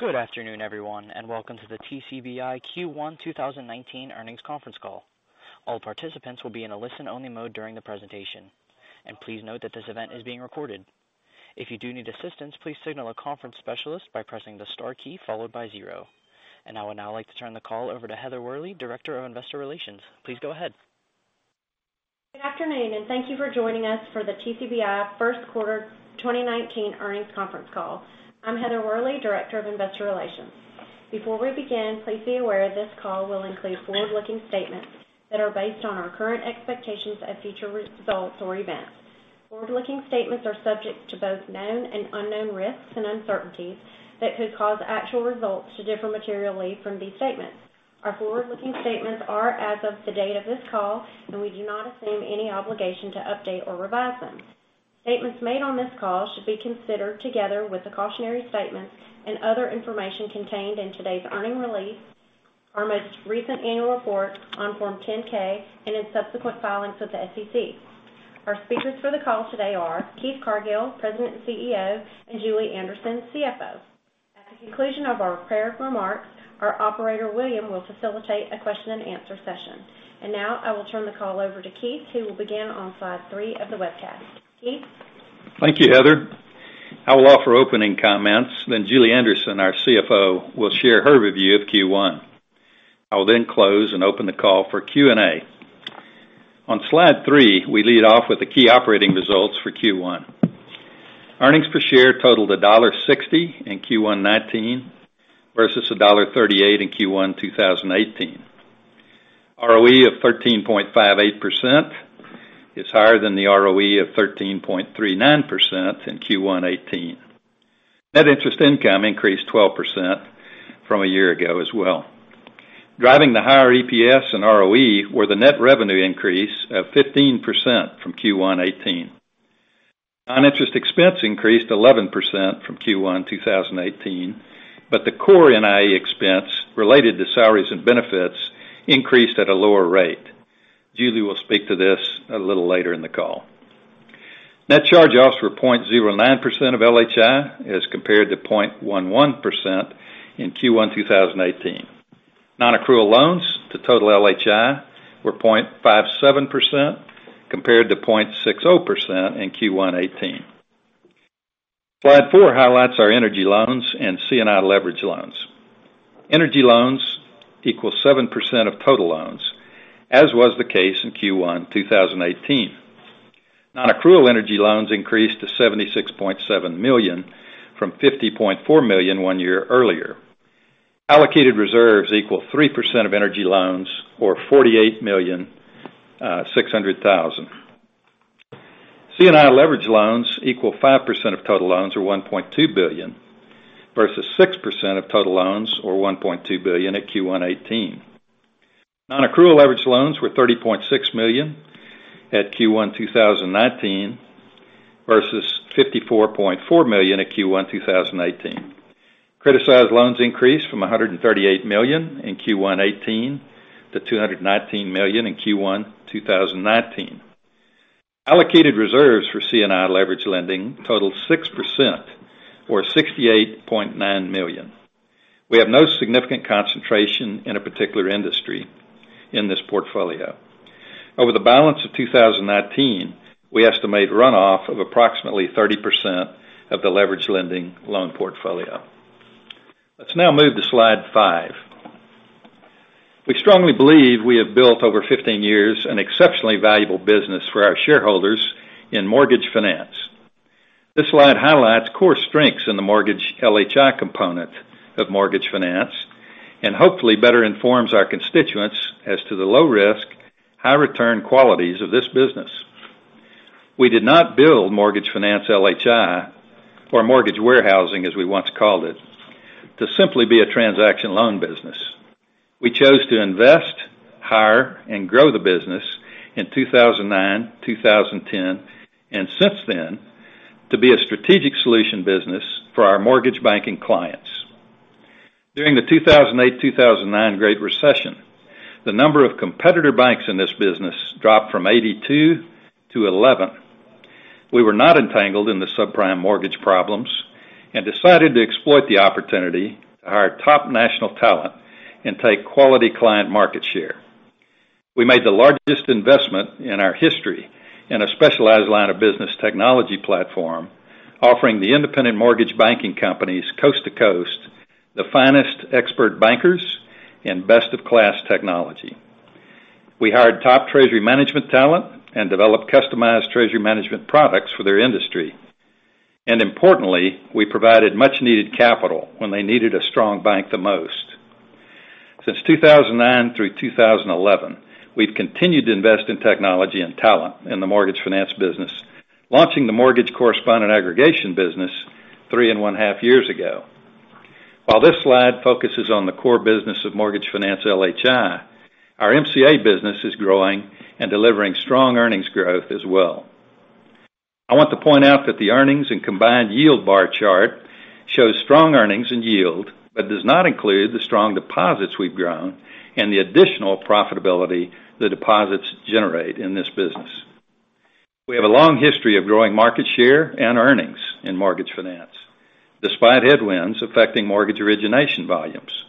Good afternoon, everyone, welcome to the TCBI Q1 2019 earnings conference call. All participants will be in a listen-only mode during the presentation. Please note that this event is being recorded. If you do need assistance, please signal a conference specialist by pressing the star key followed by zero. I would now like to turn the call over to Heather Worley, Director of Investor Relations. Please go ahead. Good afternoon. Thank you for joining us for the TCBI first quarter 2019 earnings conference call. I'm Heather Worley, Director of Investor Relations. Before we begin, please be aware this call will include forward-looking statements that are based on our current expectations of future results or events. Forward-looking statements are subject to both known and unknown risks and uncertainties that could cause actual results to differ materially from these statements. Our forward-looking statements are as of the date of this call. We do not assume any obligation to update or revise them. Statements made on this call should be considered together with the cautionary statements and other information contained in today's earnings release, our most recent annual report on Form 10-K, and in subsequent filings with the SEC. Our speakers for the call today are Keith Cargill, President and CEO, and Julie Anderson, CFO. At the conclusion of our prepared remarks, our operator, William, will facilitate a question and answer session. Now I will turn the call over to Keith, who will begin on slide three of the webcast. Keith? Thank you, Heather. I will offer opening comments. Julie Anderson, our CFO, will share her review of Q1. I will close and open the call for Q&A. On slide three, we lead off with the key operating results for Q1. Earnings per share totaled $1.60 in Q1 2019, versus $1.38 in Q1 2018. ROE of 13.58% is higher than the ROE of 13.39% in Q1 2018. Net interest income increased 12% from a year ago as well. Driving the higher EPS and ROE were the net revenue increase of 15% from Q1 2018. Non-interest expense increased 11% from Q1 2018, the core NIE expense related to salaries and benefits increased at a lower rate. Julie will speak to this a little later in the call. Net charge-offs were 0.09% of LHI as compared to 0.11% in Q1 2018. Non-accrual loans to total LHI were 0.57%, compared to 0.60% in Q1 2018. Slide four highlights our energy loans and C&I leverage loans. Energy loans equal 7% of total loans, as was the case in Q1 2018. Non-accrual energy loans increased to $76.7 million from $50.4 million one year earlier. Allocated reserves equal 3% of energy loans or $48,600,000. C&I leverage loans equal 5% of total loans or $1.2 billion, versus 6% of total loans or $1.2 billion at Q1 2018. Non-accrual leverage loans were $30.6 million at Q1 2019 versus $54.4 million at Q1 2018. Criticized loans increased from $138 million in Q1 2018 to $219 million in Q1 2019. Allocated reserves for C&I leverage lending totaled 6%, or $68.9 million. We have no significant concentration in a particular industry in this portfolio. Over the balance of 2019, we estimate runoff of approximately 30% of the leverage lending loan portfolio. Let's now move to slide five. We strongly believe we have built over 15 years an exceptionally valuable business for our shareholders in mortgage finance. This slide highlights core strengths in the mortgage LHI component of mortgage finance, and hopefully better informs our constituents as to the low risk, high return qualities of this business. We did not build mortgage finance LHI, or mortgage warehousing as we once called it, to simply be a transaction loan business. We chose to invest, hire, and grow the business in 2009, 2010, and since then, to be a strategic solution business for our mortgage banking clients. During the 2008, 2009 Great Recession, the number of competitor banks in this business dropped from 82 to 11. We were not entangled in the subprime mortgage problems and decided to exploit the opportunity to hire top national talent and take quality client market share. We made the largest investment in our history in a specialized line of business technology platform, offering the independent mortgage banking companies coast to coast the finest expert bankers and best in class technology. We hired top treasury management talent and developed customized treasury management products for their industry. Importantly, we provided much needed capital when they needed a strong bank the most. Since 2009 through 2011, we've continued to invest in technology and talent in the mortgage finance business, launching the mortgage correspondent aggregation business three and one half years ago. While this slide focuses on the core business of mortgage finance LHI, our MCA business is growing and delivering strong earnings growth as well. I want to point out that the earnings and combined yield bar chart shows strong earnings and yield, but does not include the strong deposits we've grown and the additional profitability the deposits generate in this business. We have a long history of growing market share and earnings in mortgage finance, despite headwinds affecting mortgage origination volumes,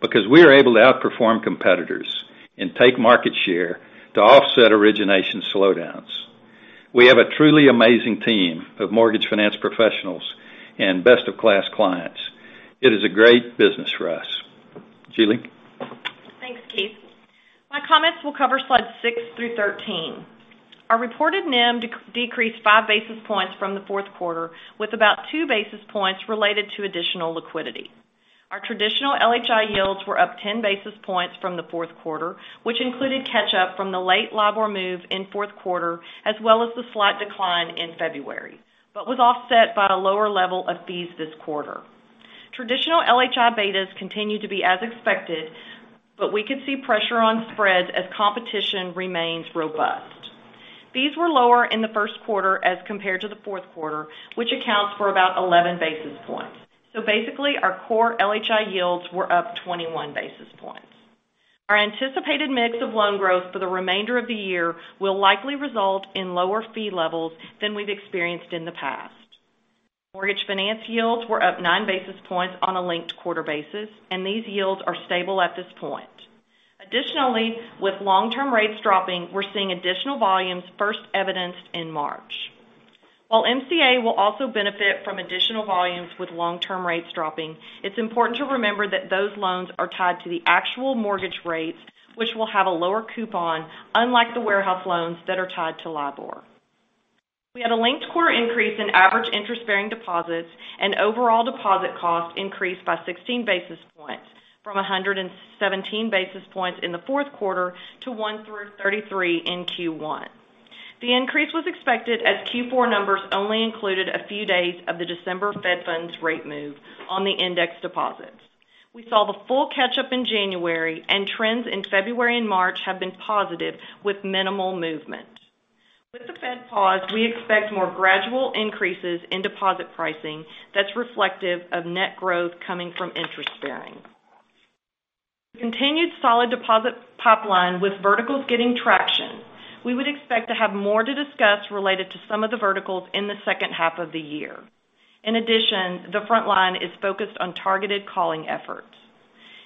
because we are able to outperform competitors and take market share to offset origination slowdowns. We have a truly amazing team of mortgage finance professionals and best-in-class clients. It is a great business for us. Julie? Thanks, Keith. My comments will cover slides six through 13. Our reported NIM decreased five basis points from the fourth quarter, with about two basis points related to additional liquidity. Our traditional LHI yields were up 10 basis points from the fourth quarter, which included catch-up from the late LIBOR move in fourth quarter, as well as the slight decline in February, but was offset by a lower level of fees this quarter. Traditional LHI betas continue to be as expected, but we could see pressure on spreads as competition remains robust. Fees were lower in the first quarter as compared to the fourth quarter, which accounts for about 11 basis points. Basically, our core LHI yields were up 21 basis points. Our anticipated mix of loan growth for the remainder of the year will likely result in lower fee levels than we've experienced in the past. Mortgage finance yields were up nine basis points on a linked quarter basis, and these yields are stable at this point. Additionally, with long-term rates dropping, we're seeing additional volumes first evidenced in March. While MCA will also benefit from additional volumes with long-term rates dropping, it's important to remember that those loans are tied to the actual mortgage rates, which will have a lower coupon, unlike the warehouse loans that are tied to LIBOR. We had a linked-quarter increase in average interest-bearing deposits, and overall deposit costs increased by 16 basis points from 117 basis points in the fourth quarter to 133 in Q1. The increase was expected as Q4 numbers only included a few days of the December Fed funds rate move on the index deposits. We saw the full catch-up in January, and trends in February and March have been positive, with minimal movement. With the Fed pause, we expect more gradual increases in deposit pricing that's reflective of net growth coming from interest bearing. Continued solid deposit pipeline with verticals getting traction. We would expect to have more to discuss related to some of the verticals in the second half of the year. In addition, the front line is focused on targeted calling efforts.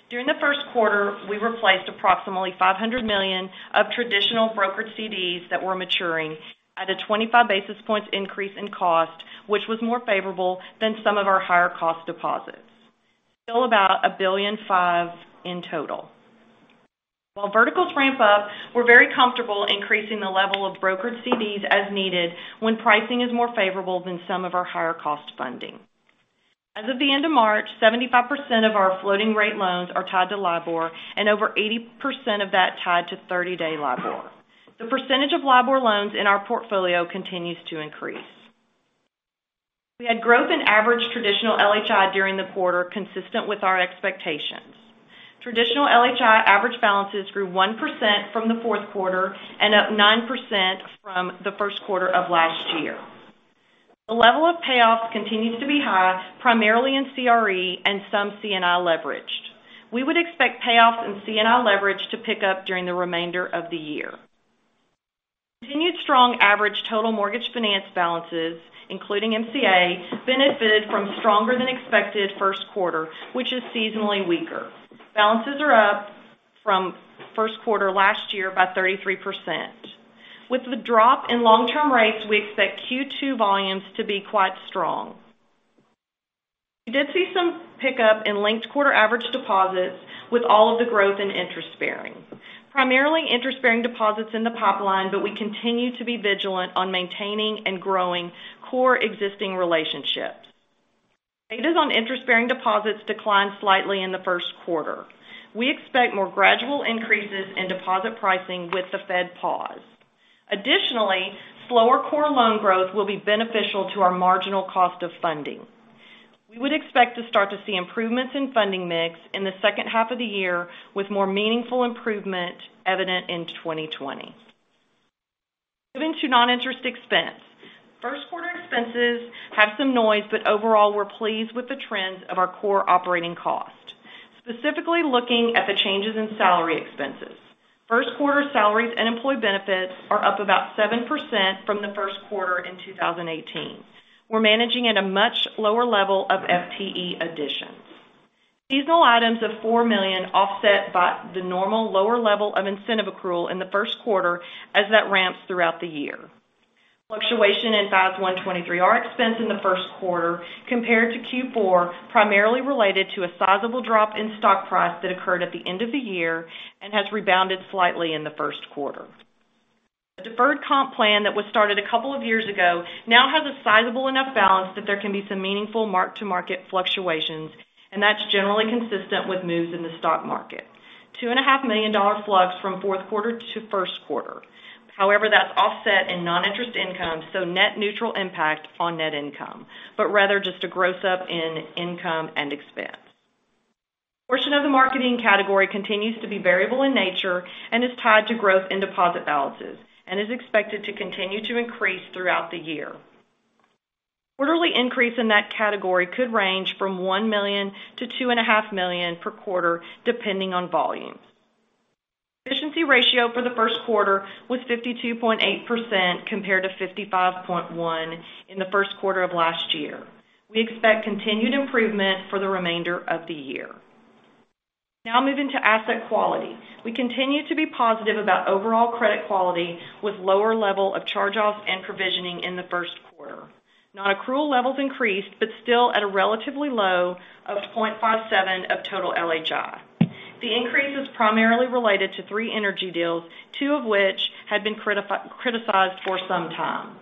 During the first quarter, we replaced approximately $500 million of traditional brokered CDs that were maturing at a 25 basis points increase in cost, which was more favorable than some of our higher-cost deposits. Still about $1.5 billion in total. While verticals ramp up, we're very comfortable increasing the level of brokered CDs as needed when pricing is more favorable than some of our higher-cost funding. As of the end of March, 75% of our floating rate loans are tied to LIBOR, and over 80% of that tied to 30-day LIBOR. The percentage of LIBOR loans in our portfolio continues to increase. We had growth in average traditional LHI during the quarter consistent with our expectations. Traditional LHI average balances grew 1% from the fourth quarter and up 9% from the first quarter of last year. The level of payoffs continues to be high, primarily in CRE and some C&I leveraged. We would expect payoffs in C&I leverage to pick up during the remainder of the year. Continued strong average total mortgage finance balances, including MCA, benefited from stronger than expected first quarter, which is seasonally weaker. Balances are up from first quarter last year by 33%. With the drop in long-term rates, we expect Q2 volumes to be quite strong. We did see some pickup in linked-quarter average deposits with all of the growth in interest-bearing. Primarily interest-bearing deposits in the pipeline, but we continue to be vigilant on maintaining and growing core existing relationships. Betas on interest-bearing deposits declined slightly in the first quarter. We expect more gradual increases in deposit pricing with the Fed pause. Additionally, slower core loan growth will be beneficial to our marginal cost of funding. We would expect to start to see improvements in funding mix in the second half of the year, with more meaningful improvement evident in 2020. Moving to Non-Interest Expense. First quarter expenses have some noise, but overall, we are pleased with the trends of our core operating cost. Specifically looking at the changes in salary expenses. First quarter salaries and employee benefits are up about 7% from the first quarter in 2018. We are managing at a much lower level of FTE additions. Seasonal items of $4 million offset by the normal lower level of incentive accrual in the first quarter as that ramps throughout the year. Fluctuation in FAS 123R expense in the first quarter compared to Q4, primarily related to a sizable drop in stock price that occurred at the end of the year and has rebounded slightly in the first quarter. Deferred comp plan that was started a couple of years ago now has a sizable enough balance that there can be some meaningful mark-to-market fluctuations, and that is generally consistent with moves in the stock market. $2.5 million flux from fourth quarter to first quarter. However, that is offset in non-interest income, so net neutral impact on net income, but rather just a gross up in income and expense. A portion of the marketing category continues to be variable in nature and is tied to growth in deposit balances and is expected to continue to increase throughout the year. Quarterly increase in that category could range from $1 million-$2.5 million per quarter, depending on volume. Efficiency ratio for the first quarter was 52.8%, compared to 55.1% in the first quarter of last year. We expect continued improvement for the remainder of the year. Now moving to asset quality. We continue to be positive about overall credit quality with lower level of charge-offs and provisioning in the first quarter. Non-accrual levels increased, but still at a relatively low of 0.57 of total LHI. The increase was primarily related to three energy deals, two of which had been criticized for some time.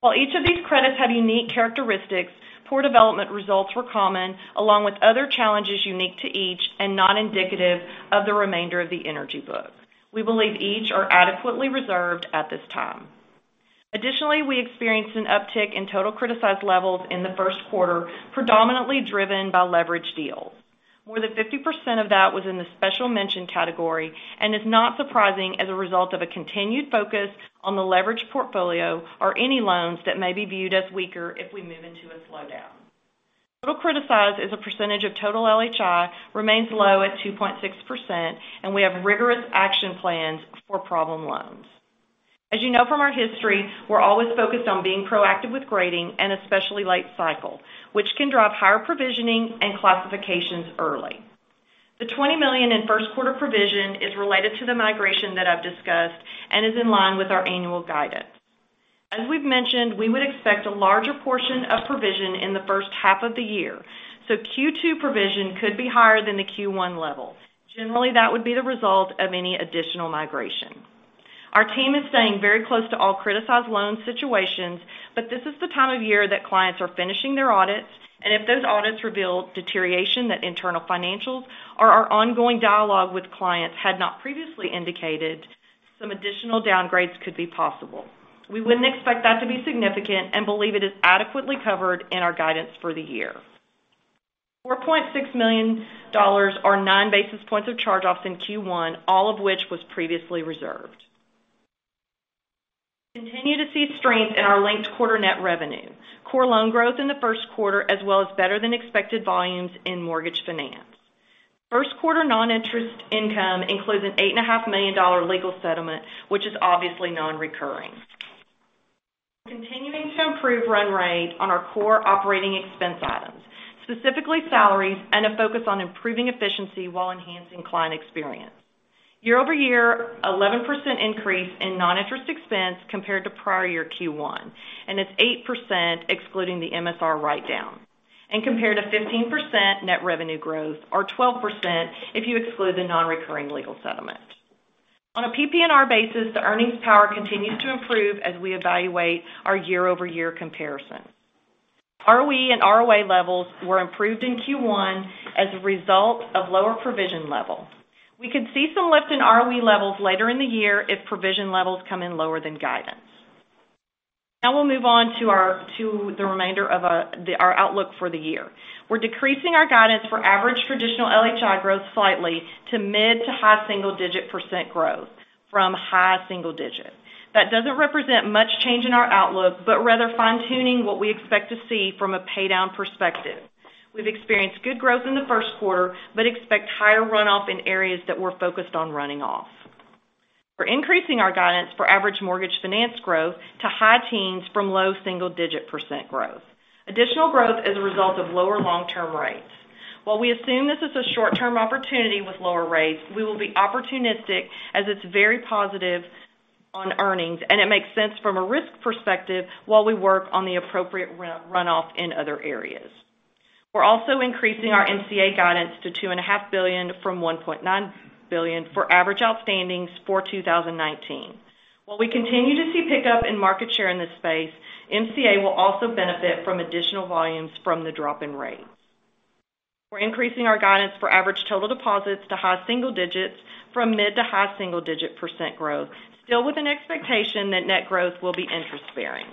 While each of these credits have unique characteristics, poor development results were common, along with other challenges unique to each and not indicative of the remainder of the energy book. We believe each are adequately reserved at this time. Additionally, we experienced an uptick in total criticized levels in the first quarter, predominantly driven by leveraged deals. More than 50% of that was in the special mention category and is not surprising as a result of a continued focus on the leveraged portfolio or any loans that may be viewed as weaker if we move into a slowdown. Total criticized as a percentage of total LHI remains low at 2.6%, and we have rigorous action plans for problem loans. As you know from our history, we are always focused on being proactive with grading and especially late cycle, which can drive higher provisioning and classifications early. The $20 million in first quarter provision is related to the migration that I've discussed and is in line with our annual guidance. We've mentioned, we would expect a larger portion of provision in the first half of the year, Q2 provision could be higher than the Q1 levels. Generally, that would be the result of any additional migration. Our team is staying very close to all criticized loan situations, but this is the time of year that clients are finishing their audits, and if those audits reveal deterioration that internal financials or our ongoing dialogue with clients had not previously indicated, some additional downgrades could be possible. We wouldn't expect that to be significant and believe it is adequately covered in our guidance for the year. $4.6 million or nine basis points of charge-offs in Q1, all of which was previously reserved. Continue to see strength in our linked quarter net revenue, core loan growth in the first quarter, as well as better than expected volumes in mortgage finance. First quarter non-interest income includes an $8.5 million legal settlement, which is obviously non-recurring. Continuing to improve run rate on our core operating expense items, specifically salaries, and a focus on improving efficiency while enhancing client experience. Year-over-year, 11% increase in non-interest expense compared to prior year Q1, and it's 8% excluding the MSR write-down. Compared to 15% net revenue growth or 12% if you exclude the non-recurring legal settlement. On a PPNR basis, the earnings power continues to improve as we evaluate our year-over-year comparison. ROE and ROA levels were improved in Q1 as a result of lower provision level. We could see some lift in ROE levels later in the year if provision levels come in lower than guidance. We'll move on to the remainder of our outlook for the year. We're decreasing our guidance for average traditional LHI growth slightly to mid to high single digit % growth from high single digit. That doesn't represent much change in our outlook, but rather fine-tuning what we expect to see from a paydown perspective. We've experienced good growth in the first quarter, but expect higher runoff in areas that we're focused on running off. We're increasing our guidance for average mortgage finance growth to high teens from low single digit % growth. Additional growth as a result of lower long-term rates. While we assume this is a short-term opportunity with lower rates, we will be opportunistic as it's very positive on earnings, and it makes sense from a risk perspective while we work on the appropriate runoff in other areas. We're also increasing our MCA guidance to $2.5 billion from $1.9 billion for average outstandings for 2019. While we continue to see pickup in market share in this space, MCA will also benefit from additional volumes from the drop in rates. We're increasing our guidance for average total deposits to high single digits from mid to high single digit % growth, still with an expectation that net growth will be interest-bearing.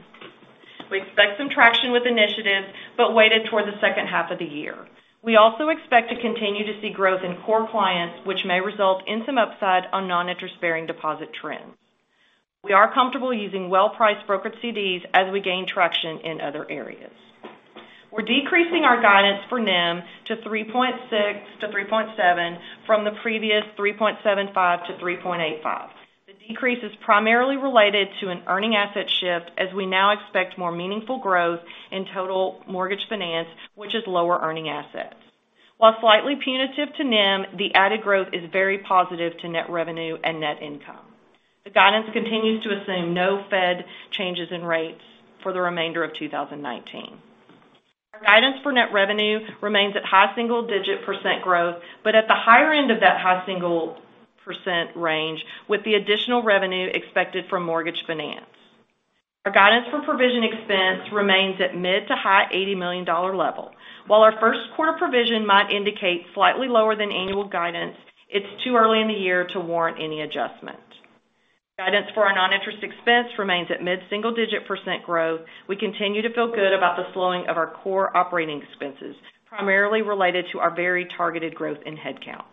We expect some traction with initiatives, but weighted towards the second half of the year. We also expect to continue to see growth in core clients, which may result in some upside on non-interest-bearing deposit trends. We are comfortable using well-priced brokered CDs as we gain traction in other areas. We are decreasing our guidance for NIM to 3.6%-3.7% from the previous 3.75%-3.85%. The decrease is primarily related to an earning asset shift as we now expect more meaningful growth in total mortgage finance, which is lower earning assets. While slightly punitive to NIM, the added growth is very positive to net revenue and net income. The guidance continues to assume no Fed changes in rates for the remainder of 2019. Our guidance for net revenue remains at high single digit % growth, but at the higher end of that high single % range with the additional revenue expected from mortgage finance. Our guidance for provision expense remains at mid to high $80 million level. While our first quarter provision might indicate slightly lower than annual guidance, it is too early in the year to warrant any adjustment. Guidance for our non-interest expense remains at mid single digit % growth. We continue to feel good about the slowing of our core operating expenses, primarily related to our very targeted growth in headcount.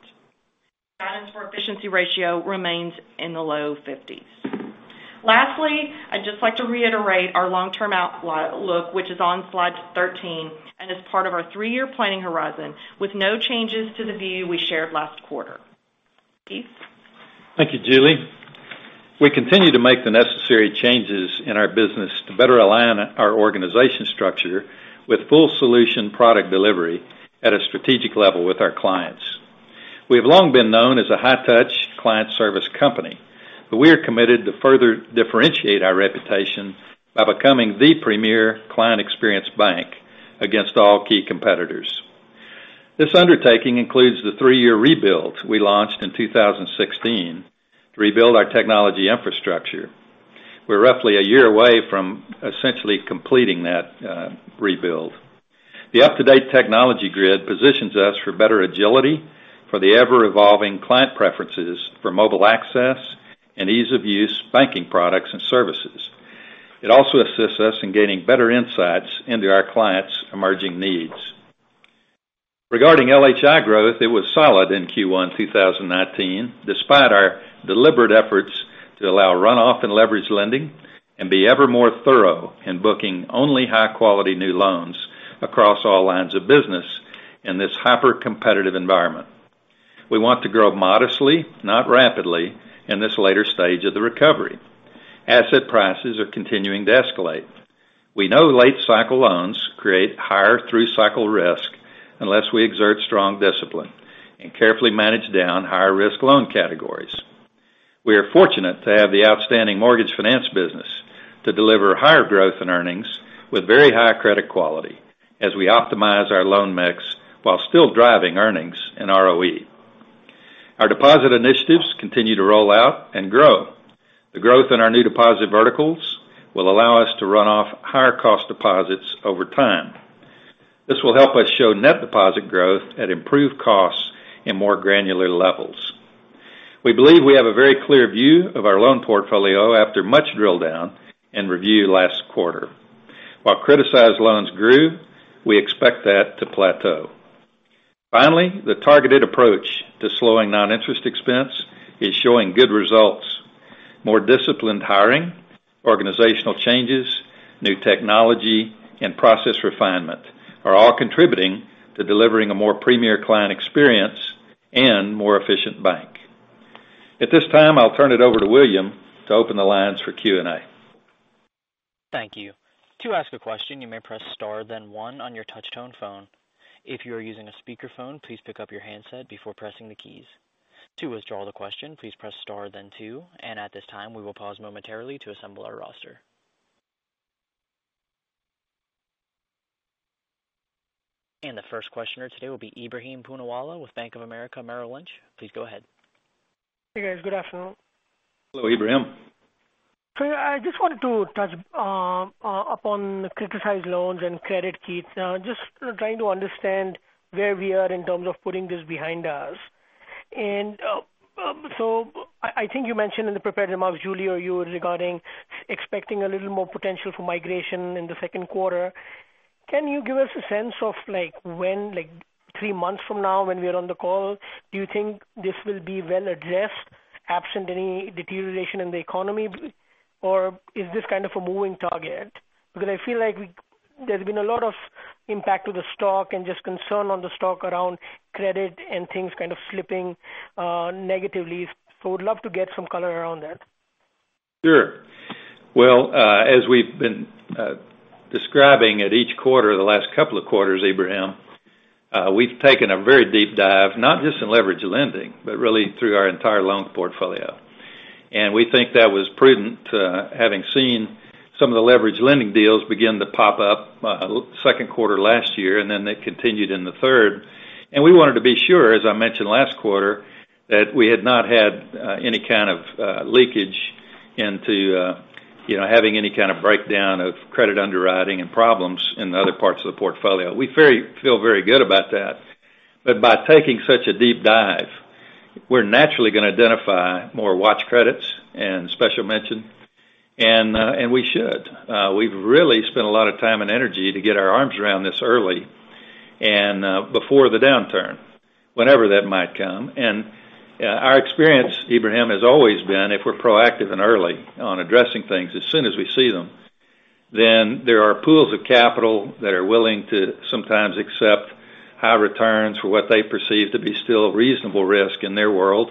Guidance for efficiency ratio remains in the low 50s. Lastly, I would just like to reiterate our long-term outlook, which is on slide 13, and is part of our three-year planning horizon, with no changes to the view we shared last quarter. Keith? Thank you, Julie. We continue to make the necessary changes in our business to better align our organization structure with full solution product delivery at a strategic level with our clients. We have long been known as a high touch client service company, but we are committed to further differentiate our reputation by becoming the premier client experience bank against all key competitors. This undertaking includes the three-year rebuild we launched in 2016 to rebuild our technology infrastructure. We are roughly a year away from essentially completing that rebuild. The up-to-date technology grid positions us for better agility for the ever-evolving client preferences for mobile access and ease of use banking products and services. It also assists us in gaining better insights into our clients' emerging needs. Regarding LHI growth, it was solid in Q1 2019, despite our deliberate efforts to allow runoff and leverage lending and be ever more thorough in booking only high-quality new loans across all lines of business in this hyper-competitive environment. We want to grow modestly, not rapidly, in this later stage of the recovery. Asset prices are continuing to escalate. We know late cycle loans create higher through cycle risk unless we exert strong discipline and carefully manage down higher risk loan categories. We are fortunate to have the outstanding mortgage finance business to deliver higher growth in earnings with very high credit quality as we optimize our loan mix while still driving earnings and ROE. Our deposit initiatives continue to roll out and grow. The growth in our new deposit verticals will allow us to run off higher cost deposits over time. This will help us show net deposit growth at improved costs in more granular levels. We believe we have a very clear view of our loan portfolio after much drill down and review last quarter. While criticized loans grew, we expect that to plateau. Finally, the targeted approach to slowing Non-Interest Expense is showing good results. More disciplined hiring, organizational changes, new technology, and process refinement are all contributing to delivering a more premier client experience and more efficient bank. At this time, I'll turn it over to William to open the lines for Q&A. Thank you. To ask a question, you may press star then one on your touch tone phone. If you are using a speakerphone, please pick up your handset before pressing the keys. To withdraw the question, please press star then two. At this time, we will pause momentarily to assemble our roster. The first questioner today will be Ebrahim Poonawala with Bank of America Merrill Lynch. Please go ahead. Hey, guys. Good afternoon. Hello, Ebrahim. I just wanted to touch upon criticized loans and credit, Keith. Just trying to understand where we are in terms of putting this behind us. I think you mentioned in the prepared remarks, Julie or you, regarding expecting a little more potential for migration in the second quarter. Can you give us a sense of when, three months from now when we are on the call, do you think this will be well addressed absent any deterioration in the economy? Or is this kind of a moving target? I feel like there's been a lot of impact to the stock and just concern on the stock around credit and things kind of slipping negatively. Would love to get some color around that. Sure. As we've been describing at each quarter, the last couple of quarters, Ebrahim, we've taken a very deep dive, not just in leverage lending, but really through our entire loan portfolio. We think that was prudent, having seen some of the leverage lending deals begin to pop up second quarter last year, and then they continued in the third. We wanted to be sure, as I mentioned last quarter, that we had not had any kind of leakage into having any kind of breakdown of credit underwriting and problems in other parts of the portfolio. We feel very good about that. By taking such a deep dive, we're naturally gonna identify more watch credits and special mention, and we should. We've really spent a lot of time and energy to get our arms around this early and before the downturn, whenever that might come. Our experience, Ebrahim, has always been if we're proactive and early on addressing things as soon as we see them, then there are pools of capital that are willing to sometimes accept high returns for what they perceive to be still reasonable risk in their world.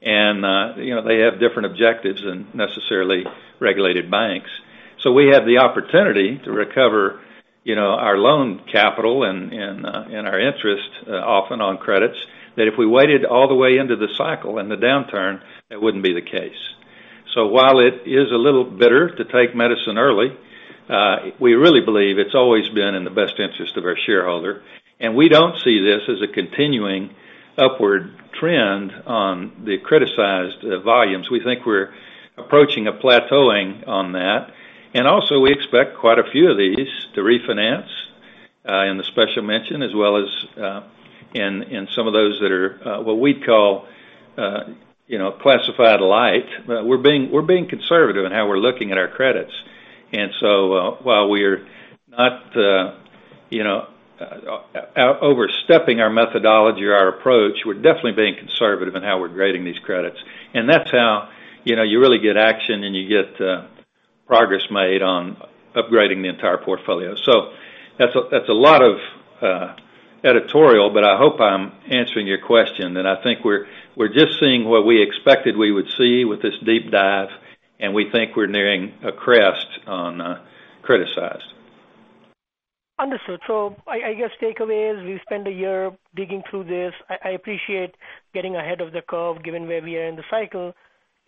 They have different objectives than necessarily regulated banks. We have the opportunity to recover our loan capital and our interest often on credits, that if we waited all the way into the cycle and the downturn, it wouldn't be the case. While it is a little bitter to take medicine early, we really believe it's always been in the best interest of our shareholder. We don't see this as a continuing upward trend on the criticized volumes. We think we're approaching a plateauing on that. Also, we expect quite a few of these to refinance in the special mention, as well as in some of those that are what we'd call classified light. We're being conservative in how we're looking at our credits. While we're not overstepping our methodology or our approach, we're definitely being conservative in how we're grading these credits. That's how you really get action and you get progress made on upgrading the entire portfolio. That's a lot of editorial, but I hope I'm answering your question. I think we're just seeing what we expected we would see with this deep dive, and we think we're nearing a crest on credit size. Understood. I guess takeaway is we've spent a year digging through this. I appreciate getting ahead of the curve, given where we are in the cycle.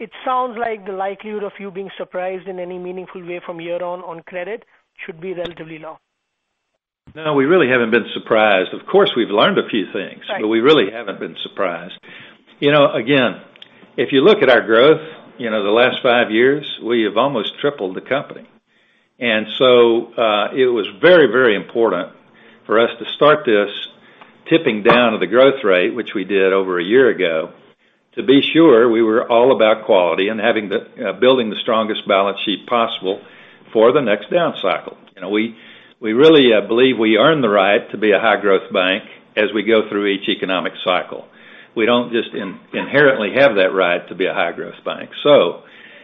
It sounds like the likelihood of you being surprised in any meaningful way from here on credit should be relatively low. No, we really haven't been surprised. Of course, we've learned a few things. Right We really haven't been surprised. Again, if you look at our growth the last five years, we have almost tripled the company. It was very important for us to start this tipping down of the growth rate, which we did over a year ago, to be sure we were all about quality and building the strongest balance sheet possible for the next down cycle. We really believe we earn the right to be a high-growth bank as we go through each economic cycle. We don't just inherently have that right to be a high-growth bank.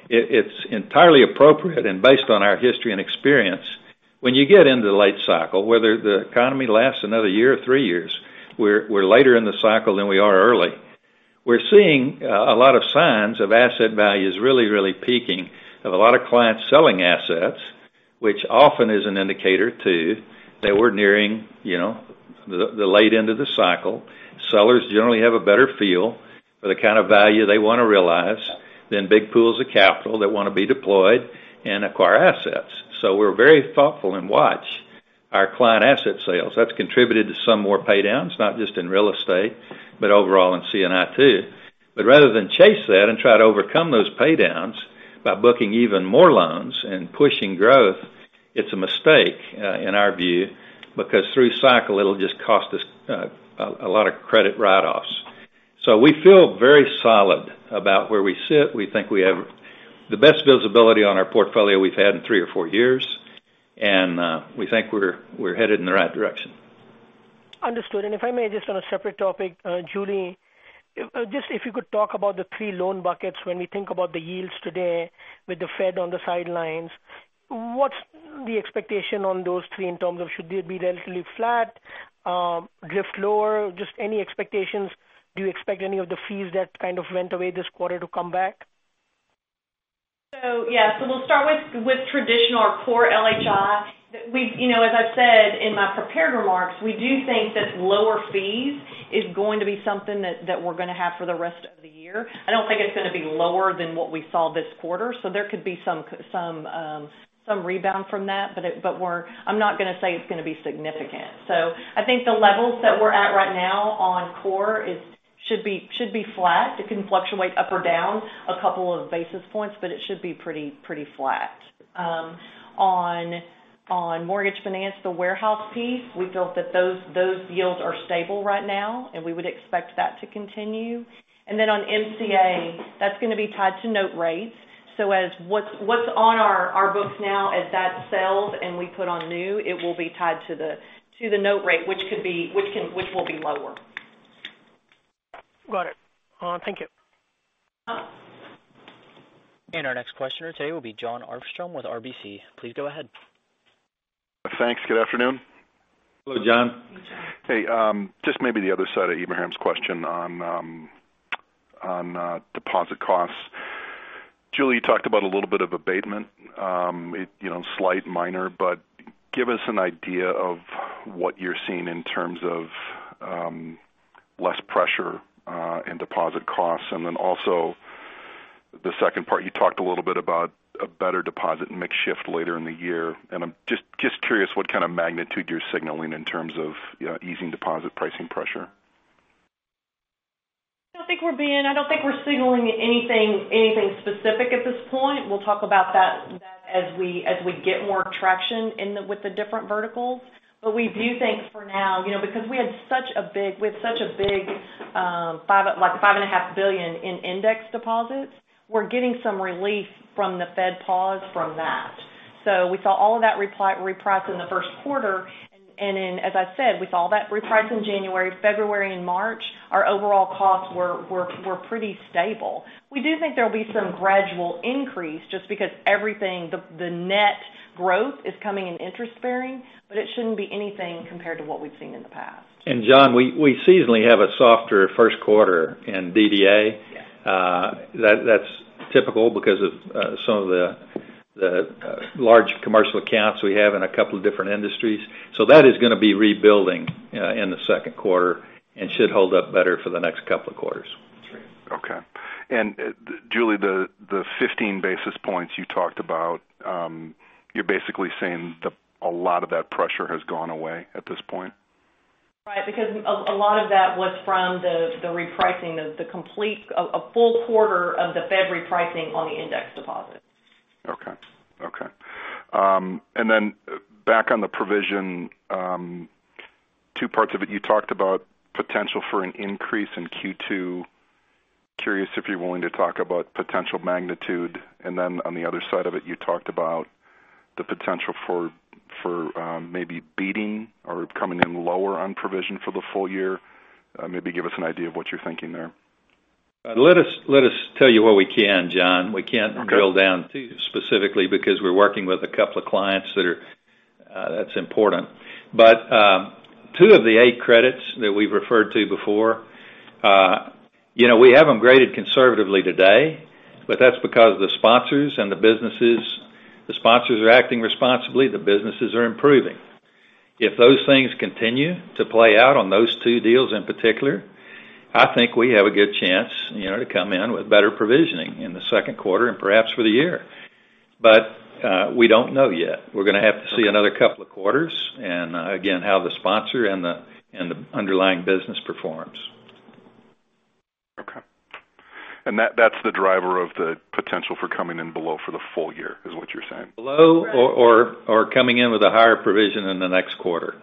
It's entirely appropriate and based on our history and experience, when you get into the late cycle, whether the economy lasts another year or three years, we're later in the cycle than we are early. We're seeing a lot of signs of asset values really peaking, of a lot of clients selling assets, which often is an indicator, too, that we're nearing the late end of the cycle. Sellers generally have a better feel for the kind of value they want to realize than big pools of capital that want to be deployed and acquire assets. We're very thoughtful and watch our client asset sales. That's contributed to some more pay downs, not just in real estate, but overall in C&I too. Rather than chase that and try to overcome those pay downs by booking even more loans and pushing growth, it's a mistake, in our view, because through cycle, it'll just cost us a lot of credit write-offs. We feel very solid about where we sit. We think we have the best visibility on our portfolio we've had in three or four years. We think we're headed in the right direction. Understood. If I may, just on a separate topic, Julie, just if you could talk about the three loan buckets when we think about the yields today with the Fed on the sidelines, what's the expectation on those three in terms of should they be relatively flat, drift lower? Just any expectations. Do you expect any of the fees that kind of went away this quarter to come back? Yeah. We'll start with traditional or core LHI. As I've said in my prepared remarks, we do think that lower fees is going to be something that we're going to have for the rest of the year. I don't think it's going to be lower than what we saw this quarter. There could be some rebound from that, but I'm not going to say it's going to be significant. I think the levels that we're at right now on core should be flat. It can fluctuate up or down a couple of basis points, but it should be pretty flat. On mortgage finance, the warehouse piece, we feel that those yields are stable right now. We would expect that to continue. On MCA, that's going to be tied to note rates. What's on our books now, as that sells and we put on new, it will be tied to the note rate, which will be lower. Got it. Thank you. Our next questioner today will be John Armstrong with RBC. Please go ahead. Thanks. Good afternoon. Hello, John. Hey, John. Hey, just maybe the other side of Ebrahim's question on deposit costs. Julie, you talked about a little bit of abatement, slight, minor, but give us an idea of what you're seeing in terms of less pressure in deposit costs. Then also, the second part, you talked a little bit about a better deposit mix shift later in the year, I'm just curious what kind of magnitude you're signaling in terms of easing deposit pricing pressure. I don't think we're signaling anything specific at this point. We'll talk about that as we get more traction with the different verticals. We do think for now, because we have such a big $5.5 billion in index deposits, we're getting some relief from the Fed pause from that. We saw all of that reprice in the first quarter. Then, as I've said, we saw that reprice in January, February, and March. Our overall costs were pretty stable. We do think there'll be some gradual increase just because everything, the net growth is coming in interest bearing, it shouldn't be anything compared to what we've seen in the past. John, we seasonally have a softer first quarter in DDA. Yeah. That's typical because of some of the large commercial accounts we have in a couple different industries. That is going to be rebuilding in the second quarter and should hold up better for the next couple of quarters. Sure. Okay. Julie, the 15 basis points you talked about, you're basically saying a lot of that pressure has gone away at this point? Right. Because a lot of that was from the repricing of a full quarter of the Fed repricing on the index deposit. Okay. Back on the provision, two parts of it, you talked about potential for an increase in Q2. Curious if you're willing to talk about potential magnitude. On the other side of it, you talked about the potential for maybe beating or coming in lower on provision for the full year. Maybe give us an idea of what you're thinking there. Let us tell you what we can, John. Okay. We can't drill down too specifically because we're working with a couple of clients that's important. Two of the eight credits that we've referred to before, we have them graded conservatively today, but that's because of the sponsors and the businesses. The sponsors are acting responsibly, the businesses are improving. If those things continue to play out on those two deals in particular, I think we have a good chance to come in with better provisioning in the second quarter and perhaps for the year. We don't know yet. We're going to have to see another couple of quarters, and again, how the sponsor and the underlying business performs. Okay. That's the driver of the potential for coming in below for the full year, is what you're saying? Below or coming in with a higher provision in the next quarter.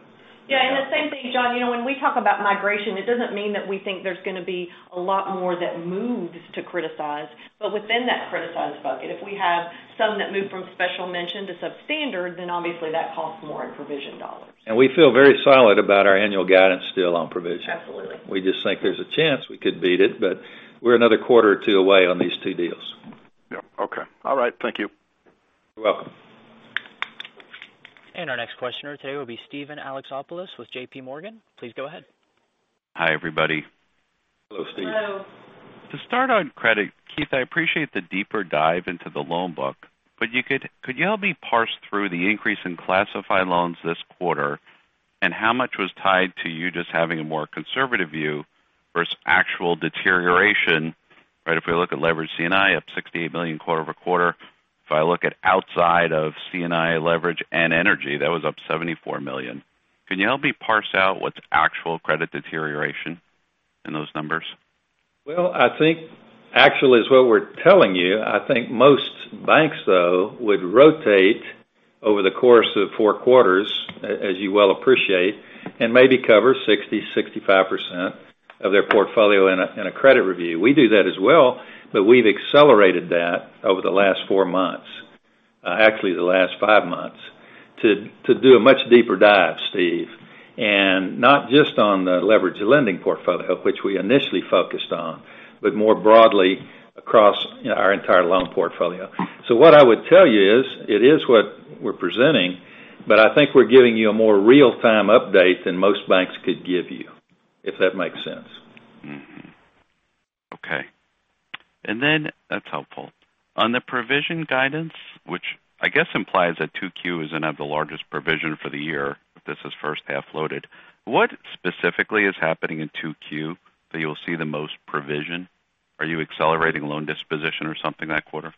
Yeah. The same thing, John, when we talk about migration, it doesn't mean that we think there's going to be a lot more that moves to criticized. Within that criticized bucket, if we have some that move from special mention to substandard, obviously that costs more in provision dollars. We feel very solid about our annual guidance still on provision. Absolutely. We just think there's a chance we could beat it, we're another quarter or two away on these two deals. Yep. Okay. All right. Thank you. You're welcome. Our next questioner today will be Steven Alexopoulos with JPMorgan. Please go ahead. Hi, everybody. Hello, Steve. Hello. To start on credit, Keith, I appreciate the deeper dive into the loan book, but could you help me parse through the increase in classified loans this quarter, and how much was tied to you just having a more conservative view versus actual deterioration? If we look at leveraged C&I, up $68 million quarter-over-quarter. If I look at outside of C&I leverage and energy, that was up $74 million. Can you help me parse out what's actual credit deterioration in those numbers? Well, I think actually is what we're telling you. I think most banks, though, would rotate over the course of four quarters, as you well appreciate, and maybe cover 60, 65% of their portfolio in a credit review. We do that as well, but we've accelerated that over the last four months, actually the last five months, to do a much deeper dive, Steve. Not just on the leveraged lending portfolio, which we initially focused on, but more broadly across our entire loan portfolio. What I would tell you is, it is what we're presenting, but I think we're giving you a more real-time update than most banks could give you, if that makes sense. Mm-hmm. Okay. That's helpful. On the provision guidance, which I guess implies that 2Q is going to have the largest provision for the year, if this is first-half loaded. What specifically is happening in 2Q that you'll see the most provision? Are you accelerating loan disposition or something that quarter?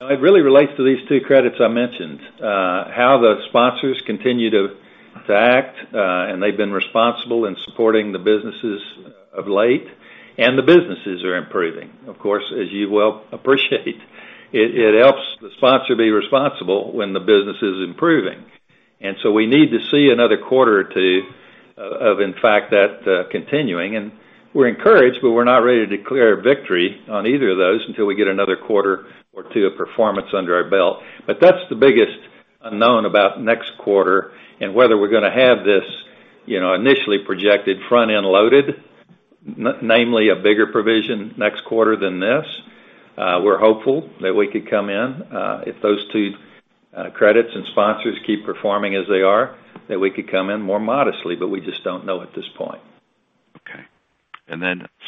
It really relates to these two credits I mentioned. How the sponsors continue to act, and they've been responsible in supporting the businesses of late, and the businesses are improving. Of course, as you well appreciate it helps the sponsor be responsible when the business is improving. We need to see another quarter or two of, in fact, that continuing, and we're encouraged, but we're not ready to declare victory on either of those until we get another quarter or two of performance under our belt. That's the biggest unknown about next quarter, and whether we're going to have this initially projected front-end loaded, namely a bigger provision next quarter than this. We're hopeful that we could come in, if those two credits and sponsors keep performing as they are, that we could come in more modestly, but we just don't know at this point. Okay.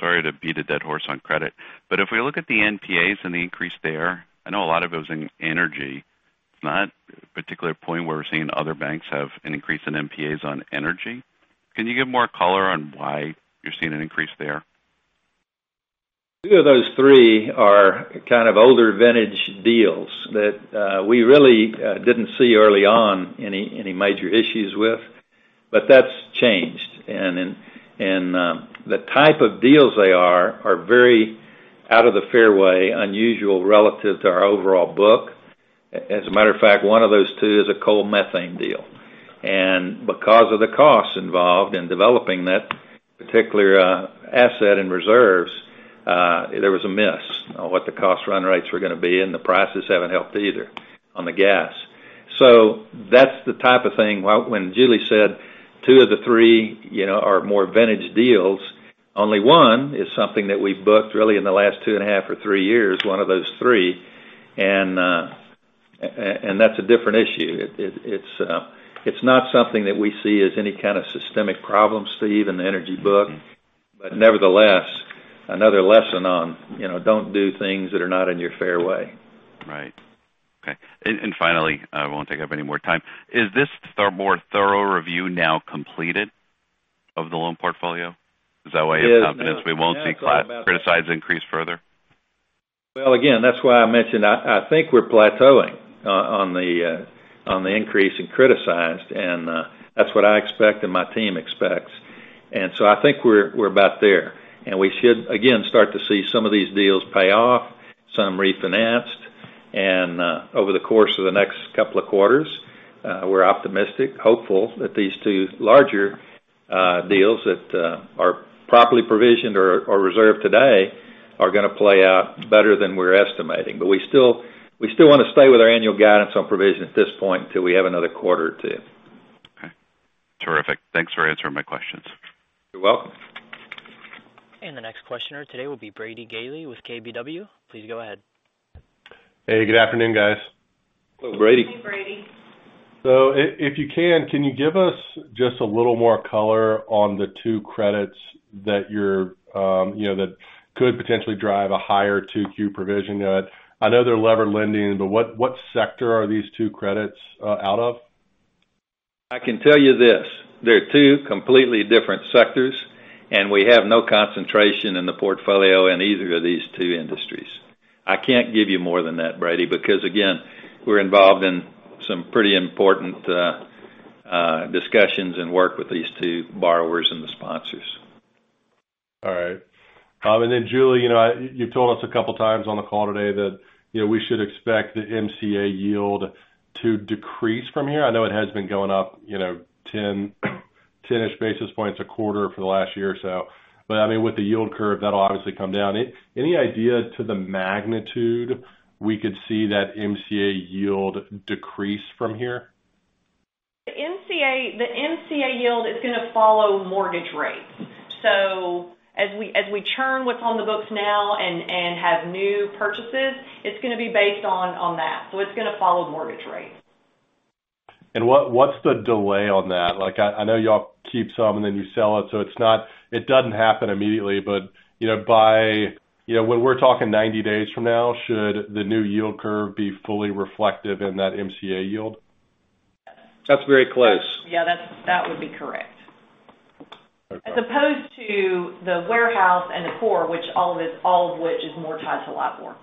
Sorry to beat a dead horse on credit, if we look at the NPAs and the increase there, I know a lot of it was in energy. It's not a particular point where we're seeing other banks have an increase in NPAs on energy. Can you give more color on why you're seeing an increase there? Two of those three are kind of older vintage deals that we really didn't see early on any major issues with, that's changed. The type of deals they are very out of the fairway, unusual relative to our overall book. As a matter of fact, one of those two is a coalbed methane deal. Because of the costs involved in developing that particular asset and reserves, there was a miss on what the cost run rates were going to be, and the prices haven't helped either on the gas. That's the type of thing when Julie said two of the three are more vintage deals, only one is something that we've booked really in the last two and a half or three years, one of those three, and that's a different issue. It's not something that we see as any kind of systemic problem, Steve, in the energy book. Nevertheless, another lesson on don't do things that are not in your fairway. Right. Okay. Finally, I won't take up any more time. Is this more thorough review now completed of the loan portfolio? Is that why you have confidence we won't see criticized increase further? Well, again, that's why I mentioned, I think we're plateauing on the increase in criticized, and that's what I expect and my team expects. I think we're about there. We should, again, start to see some of these deals pay offSome refinanced. Over the course of the next couple of quarters, we're optimistic, hopeful that these two larger deals that are properly provisioned or reserved today are going to play out better than we're estimating. We still want to stay with our annual Guidance on provision at this point until we have another quarter or two. Okay. Terrific. Thanks for answering my questions. You're welcome. The next questioner today will be Brady Gailey with KBW. Please go ahead. Hey, good afternoon, guys. Hello, Brady. Hey, Brady. Can you give us just a little more color on the two credits that could potentially drive a higher 2Q provision? I know they're levered lending, but what sector are these two credits out of? I can tell you this, they're two completely different sectors, and we have no concentration in the portfolio in either of these two industries. I can't give you more than that, Brady, because, again, we're involved in some pretty important discussions and work with these two borrowers and the sponsors. All right. Julie, you've told us a couple of times on the call today that we should expect the MCA yield to decrease from here. I know it has been going up, 10-ish basis points a quarter for the last year or so. I mean, with the yield curve, that'll obviously come down. Any idea to the magnitude we could see that MCA yield decrease from here? The MCA yield is going to follow mortgage rates. As we churn what's on the books now and have new purchases, it's going to be based on that. It's going to follow mortgage rates. What's the delay on that? I know you all keep some and then you sell it doesn't happen immediately. When we're talking 90 days from now, should the new yield curve be fully reflective in that MCA yield? That's very close. Yeah, that would be correct. Okay. As opposed to the warehouse and the core, all of which is more tied to LIBOR.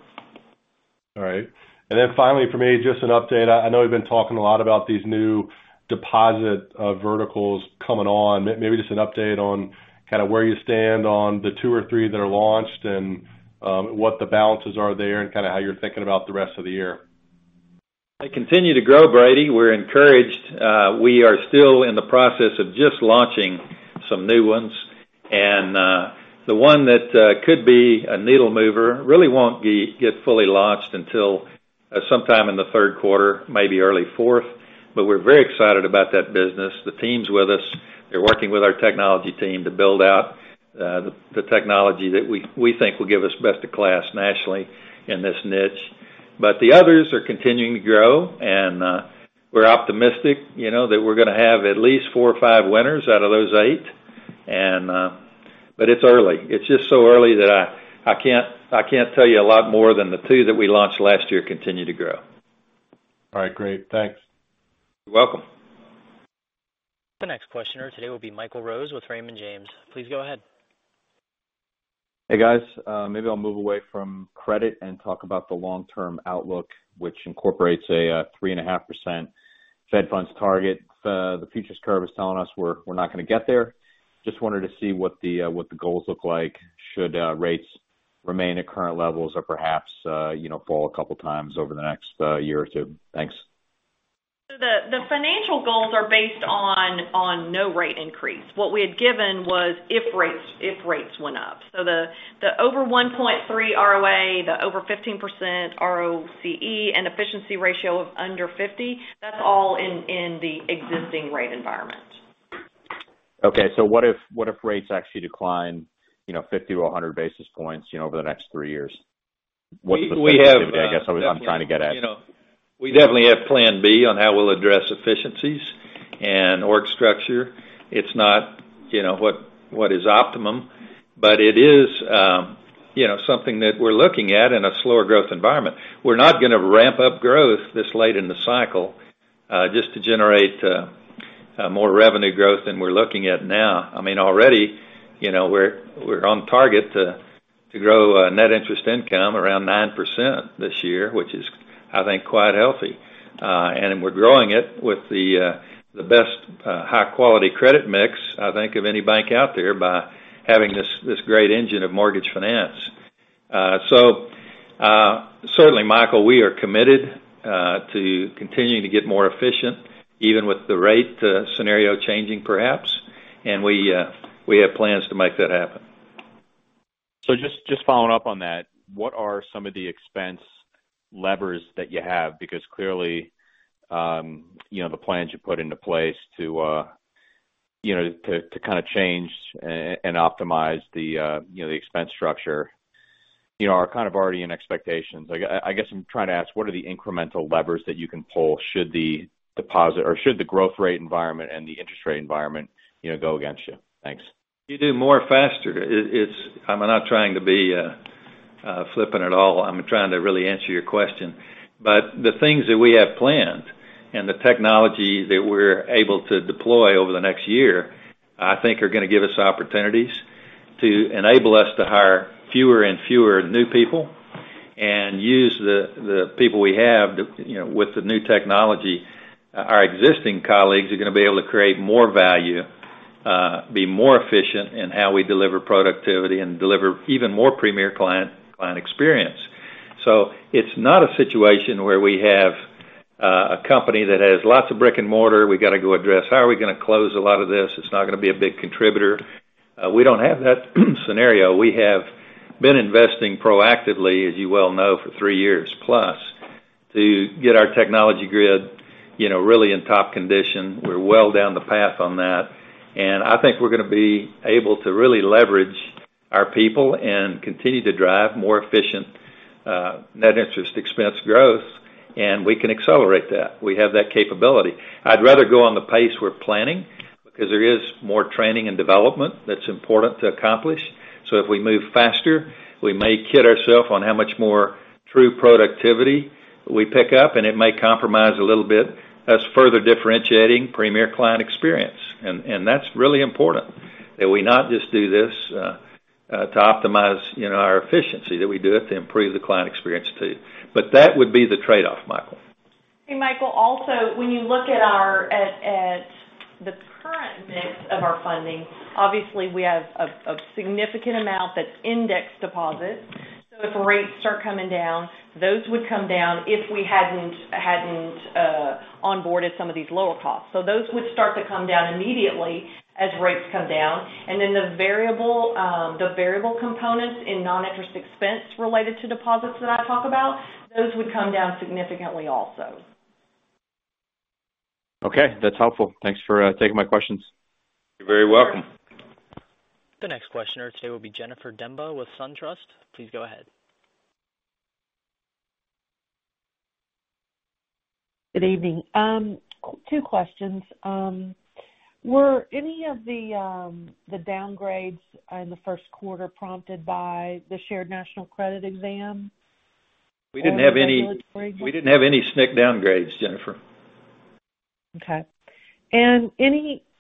Finally from me, just an update, I know we've been talking a lot about these new deposit verticals coming on. Maybe just an update on kind of where you stand on the two or three that are launched, and what the balances are there, and kind of how you're thinking about the rest of the year. They continue to grow, Brady. We're encouraged. We are still in the process of just launching some new ones. The one that could be a needle mover really won't get fully launched until sometime in the third quarter, maybe early fourth. We're very excited about that business. The team's with us. They're working with our technology team to build out the technology that we think will give us best of class nationally in this niche. The others are continuing to grow, and we're optimistic that we're going to have at least four or five winners out of those eight. It's early. It's just so early that I can't tell you a lot more than the two that we launched last year continue to grow. All right, great. Thanks. You're welcome. The next questioner today will be Michael Rose with Raymond James. Please go ahead. Hey, guys. Maybe I'll move away from credit and talk about the long-term outlook, which incorporates a 3.5% Fed funds target. The futures curve is telling us we're not going to get there. Just wanted to see what the goals look like should rates remain at current levels or perhaps fall a couple times over the next year or two. Thanks. The financial goals are based on no rate increase. What we had given was if rates went up. The over 1.3 ROA, the over 15% ROCE, and efficiency ratio of under 50, that's all in the existing rate environment. Okay. What if rates actually decline 50 to 100 basis points over the next three years? What's the sensitivity, I guess, I'm trying to get at? We definitely have plan B on how we'll address efficiencies and org structure. It's not what is optimum, but it is something that we're looking at in a slower growth environment. We're not going to ramp up growth this late in the cycle just to generate more revenue growth than we're looking at now. I mean, already, we're on target to grow net interest income around 9% this year, which is, I think, quite healthy. We're growing it with the best high-quality credit mix, I think, of any bank out there by having this great engine of mortgage finance. Certainly, Michael, we are committed to continuing to get more efficient, even with the rate scenario changing, perhaps. We have plans to make that happen. Just following up on that, what are some of the expense levers that you have? Because clearly, the plans you put into place to kind of change and optimize the expense structure are kind of already in expectations. I guess I'm trying to ask, what are the incremental levers that you can pull should the growth rate environment and the interest rate environment go against you? Thanks. You do more faster. I'm not trying to be flippant at all. I'm trying to really answer your question. The things that we have planned and the technology that we're able to deploy over the next year, I think, are going to give us opportunities to enable us to hire fewer and fewer new people and use the people we have with the new technology. Our existing colleagues are going to be able to create more value. Be more efficient in how we deliver productivity and deliver even more premier client experience. It's not a situation where we have a company that has lots of brick and mortar, we got to go address how are we going to close a lot of this? It's not going to be a big contributor. We don't have that scenario. We have been investing proactively, as you well know, for three years plus, to get our technology grid really in top condition. We're well down the path on that, I think we're going to be able to really leverage our people and continue to drive more efficient net interest expense growth. We can accelerate that. We have that capability. I'd rather go on the pace we're planning because there is more training and development that's important to accomplish. If we move faster, we may kid ourself on how much more true productivity we pick up, and it may compromise a little bit, us further differentiating premier client experience. That's really important that we not just do this to optimize our efficiency, that we do it to improve the client experience, too. That would be the trade-off, Michael. Hey, Michael, also, when you look at the current mix of our funding, obviously we have a significant amount that's index deposits. If rates start coming down, those would come down if we hadn't onboarded some of these lower costs. Those would start to come down immediately as rates come down. The variable components in Non-Interest Expense related to deposits that I talk about, those would come down significantly also. That's helpful. Thanks for taking my questions. You're very welcome. The next questioner today will be Jennifer Demba with SunTrust. Please go ahead. Good evening. Two questions. Were any of the downgrades in the first quarter prompted by the Shared National Credit exam? We didn't have any SNC downgrades, Jennifer. Okay.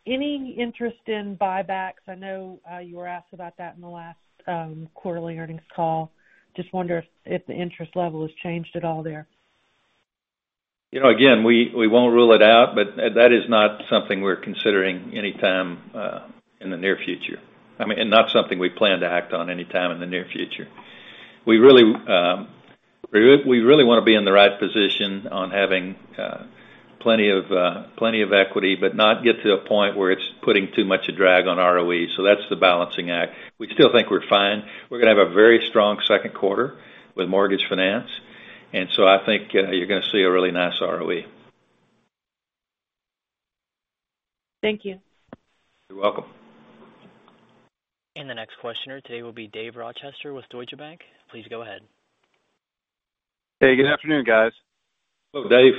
Any interest in buybacks? I know you were asked about that in the last quarterly earnings call. Just wonder if the interest level has changed at all there. Again, we won't rule it out, but that is not something we're considering anytime in the near future. I mean, and not something we plan to act on anytime in the near future. We really want to be in the right position on having plenty of equity, but not get to a point where it's putting too much a drag on ROE. That's the balancing act. We still think we're fine. We're going to have a very strong second quarter with mortgage finance, I think you're going to see a really nice ROE. Thank you. You're welcome. The next questioner today will be David Rochester with Deutsche Bank. Please go ahead. Hey, good afternoon, guys. Hello, Dave.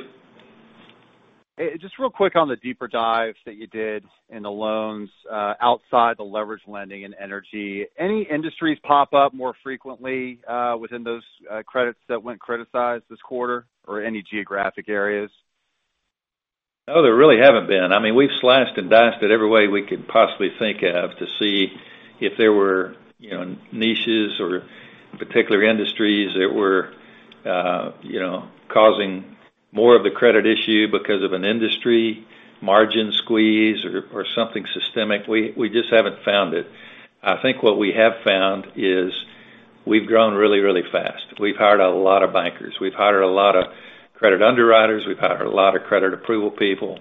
Just real quick on the deeper dives that you did in the loans outside the leverage lending and energy. Any industries pop up more frequently within those credits that went criticized this quarter, or any geographic areas? No, there really haven't been. We've sliced and diced it every way we could possibly think of to see if there were niches or particular industries that were causing more of the credit issue because of an industry margin squeeze or something systemic. We just haven't found it. I think what we have found is we've grown really, really fast. We've hired a lot of bankers. We've hired a lot of credit underwriters. We've hired a lot of credit approval people.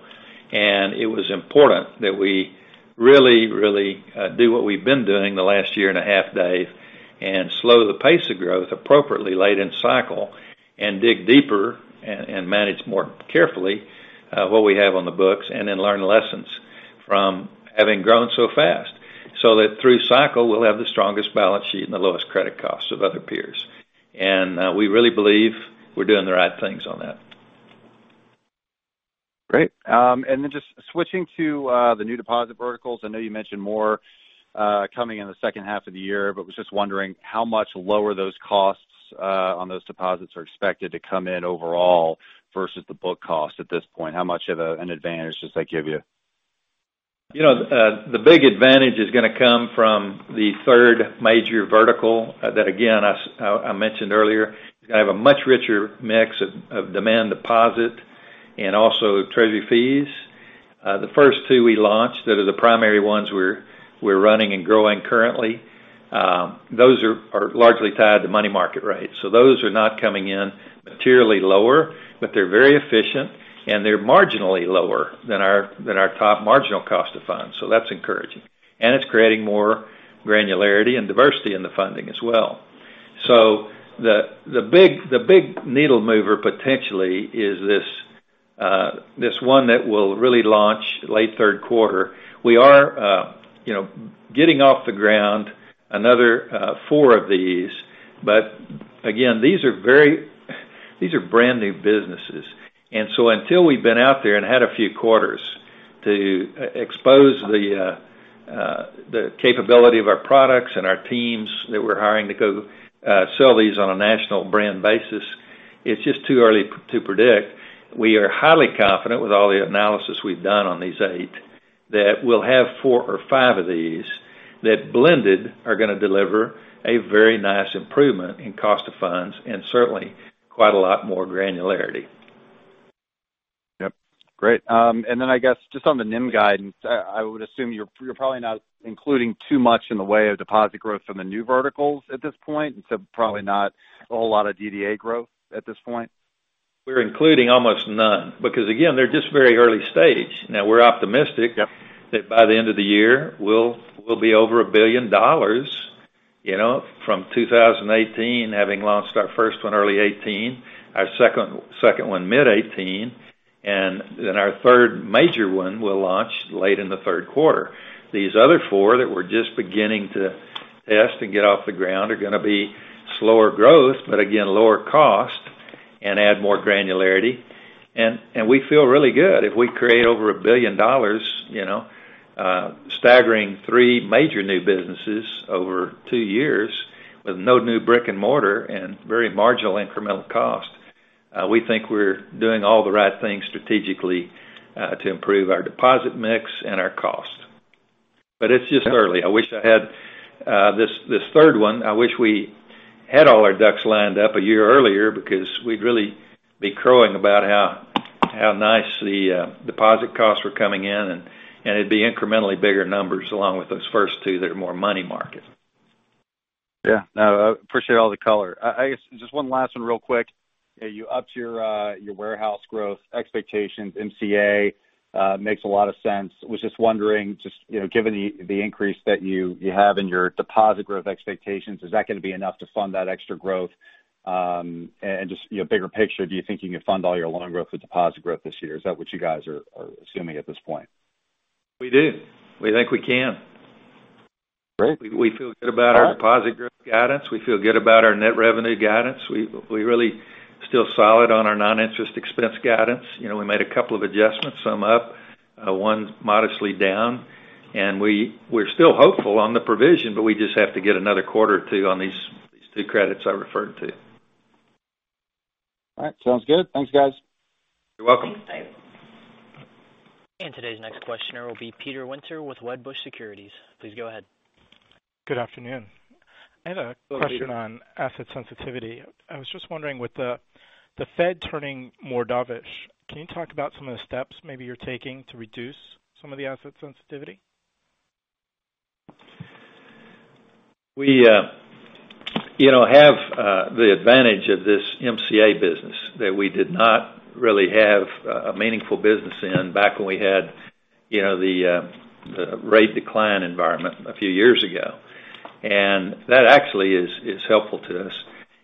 It was important that we really, really do what we've been doing the last year and a half, Dave, and slow the pace of growth appropriately late in cycle, and dig deeper and manage more carefully what we have on the books, and then learn lessons from having grown so fast, so that through cycle, we'll have the strongest balance sheet and the lowest credit costs of other peers. We really believe we're doing the right things on that. Great. Just switching to the new deposit verticals. I know you mentioned more coming in the second half of the year, was just wondering how much lower those costs on those deposits are expected to come in overall versus the book cost at this point. How much of an advantage does that give you? The big advantage is going to come from the third major vertical that again, I mentioned earlier. It's going to have a much richer mix of demand deposit and also treasury fees. The first two we launched that are the primary ones we're running and growing currently, those are largely tied to money market rates. Those are not coming in materially lower, they're very efficient, they're marginally lower than our top marginal cost of funds. That's encouraging, it's creating more granularity and diversity in the funding as well. The big needle mover potentially is this one that will really launch late third quarter. We are getting off the ground another four of these. Again, these are brand new businesses. Until we've been out there and had a few quarters to expose the capability of our products and our teams that we're hiring to go sell these on a national brand basis, it's just too early to predict. We are highly confident with all the analysis we've done on these eight, that we'll have four or five of these that blended are going to deliver a very nice improvement in cost of funds and certainly quite a lot more granularity. Yep, great. I guess just on the NIM guidance, I would assume you're probably not including too much in the way of deposit growth from the new verticals at this point, probably not a whole lot of DDA growth at this point? We're including almost none, because again, they're just very early stage. Now, we're optimistic. Yep that by the end of the year, we'll be over $1 billion, from 2018, having launched our first one early 2018, our second one mid 2018, and our third major one we'll launch late in the third quarter. These other four that we're just beginning to test and get off the ground are going to be slower growth, but again, lower cost and add more granularity. We feel really good. If we create over $1 billion, staggering three major new businesses over two years with no new brick and mortar and very marginal incremental cost, we think we're doing all the right things strategically to improve our deposit mix and our cost. It's just early. This third one, I wish we had all our ducks lined up a year earlier because we'd really be crowing about how nice the deposit costs were coming in, and it'd be incrementally bigger numbers along with those first two that are more money market. Yeah. No, I appreciate all the color. I guess just one last one real quick. You upped your warehouse growth expectations. MCA makes a lot of sense. Was just wondering, just given the increase that you have in your deposit growth expectations, is that going to be enough to fund that extra growth? Just bigger picture, do you think you can fund all your loan growth with deposit growth this year? Is that what you guys are assuming at this point? We do. We think we can. Great. We feel good about our deposit growth guidance. We feel good about our net revenue guidance. We're really still solid on our non-interest expense guidance. We made a couple of adjustments, some up, one modestly down. We're still hopeful on the provision, we just have to get another quarter or two on these two credits I referred to. All right, sounds good. Thanks, guys. You're welcome. Thanks, Dave. Today's next questioner will be Peter Winter with Wedbush Securities. Please go ahead. Good afternoon. I had a question on asset sensitivity. I was just wondering, with the Fed turning more dovish, can you talk about some of the steps maybe you're taking to reduce some of the asset sensitivity? We have the advantage of this MCA business that we did not really have a meaningful business in back when we had the rate decline environment a few years ago. That actually is helpful to us.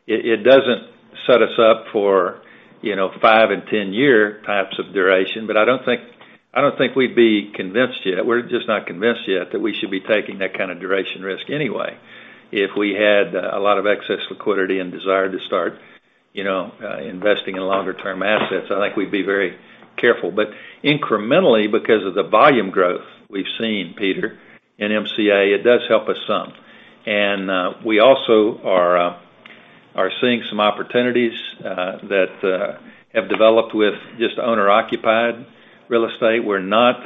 It doesn't set us up for five and 10-year types of duration, but I don't think we'd be convinced yet. We're just not convinced yet that we should be taking that kind of duration risk anyway. If we had a lot of excess liquidity and desire to start investing in longer term assets, I think we'd be very careful. Incrementally, because of the volume growth we've seen, Peter, in MCA, it does help us some. We also are seeing some opportunities that have developed with just owner-occupied real estate. We're not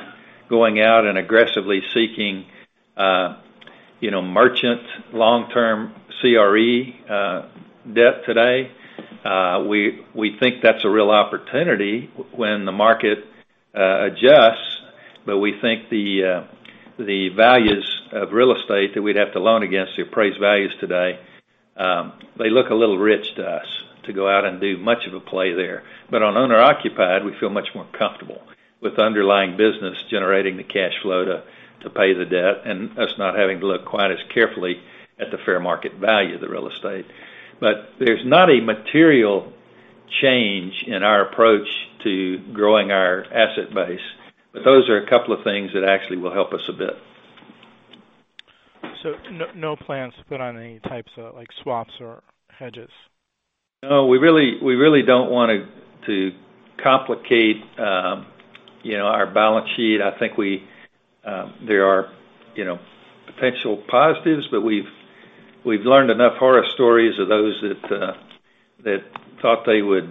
going out and aggressively seeking merchant long-term CRE debt today. We think that's a real opportunity when the market adjusts, we think the values of real estate that we'd have to loan against, the appraised values today, they look a little rich to us to go out and do much of a play there. On owner-occupied, we feel much more comfortable with underlying business generating the cash flow to pay the debt and us not having to look quite as carefully at the fair market value of the real estate. There's not a material change in our approach to growing our asset base. Those are a couple of things that actually will help us a bit. No plans to put on any types of swaps or hedges? No, we really don't want to complicate our balance sheet. I think there are potential positives, but we've learned enough horror stories of those that thought they would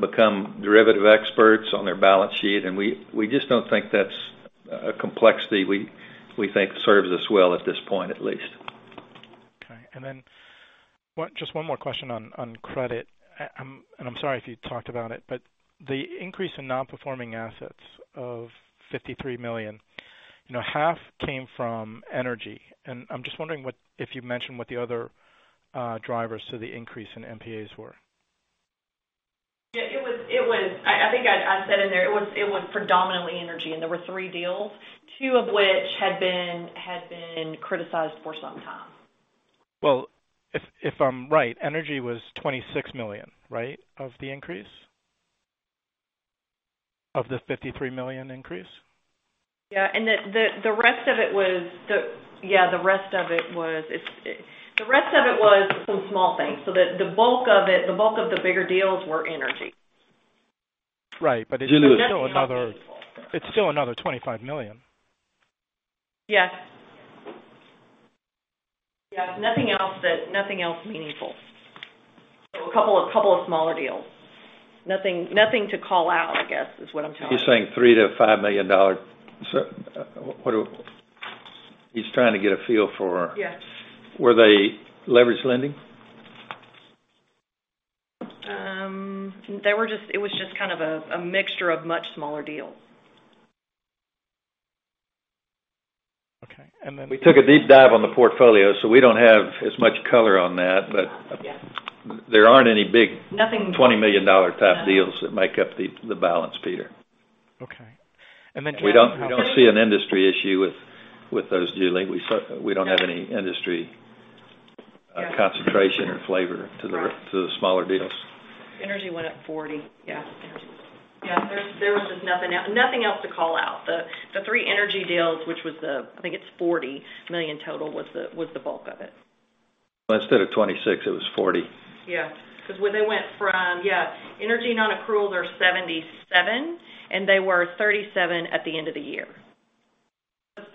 become derivative experts on their balance sheet, and we just don't think that's a complexity we think serves us well at this point, at least. Okay. Then, just one more question on credit. I'm sorry if you talked about it, the increase in non-performing assets of $53 million, half came from energy. I'm just wondering if you'd mention what the other drivers to the increase in NPAs were. Yeah. I think I said in there, it was predominantly energy, and there were three deals, two of which had been criticized for some time. Well, if I'm right, energy was $26 million, right, of the increase? Of the $53 million increase? Yeah. The rest of it was some small things. The bulk of the bigger deals were energy. Right. It's still another- Nothing else meaningful. It's still another $25 million. Yes. Nothing else meaningful. A couple of smaller deals. Nothing to call out, I guess, is what I'm telling you. You're saying $3 million-$5 million. Yes. Were they leverage lending? It was just kind of a mixture of much smaller deals. Okay. We took a deep dive on the portfolio, so we don't have as much color on that. Yeah There aren't any big. Nothing- $20 million type deals that make up the balance, Peter. Okay. We don't see an industry issue with those newly. We don't have any industry concentration or flavor to the smaller deals. Energy went up $40 million. Yeah. There was just nothing else to call out. The three energy deals, I think it's $40 million total, was the bulk of it. Instead of 26, it was 40. Yeah. Because when they went from energy non-accruals are 77, and they were 37 at the end of the year. 50.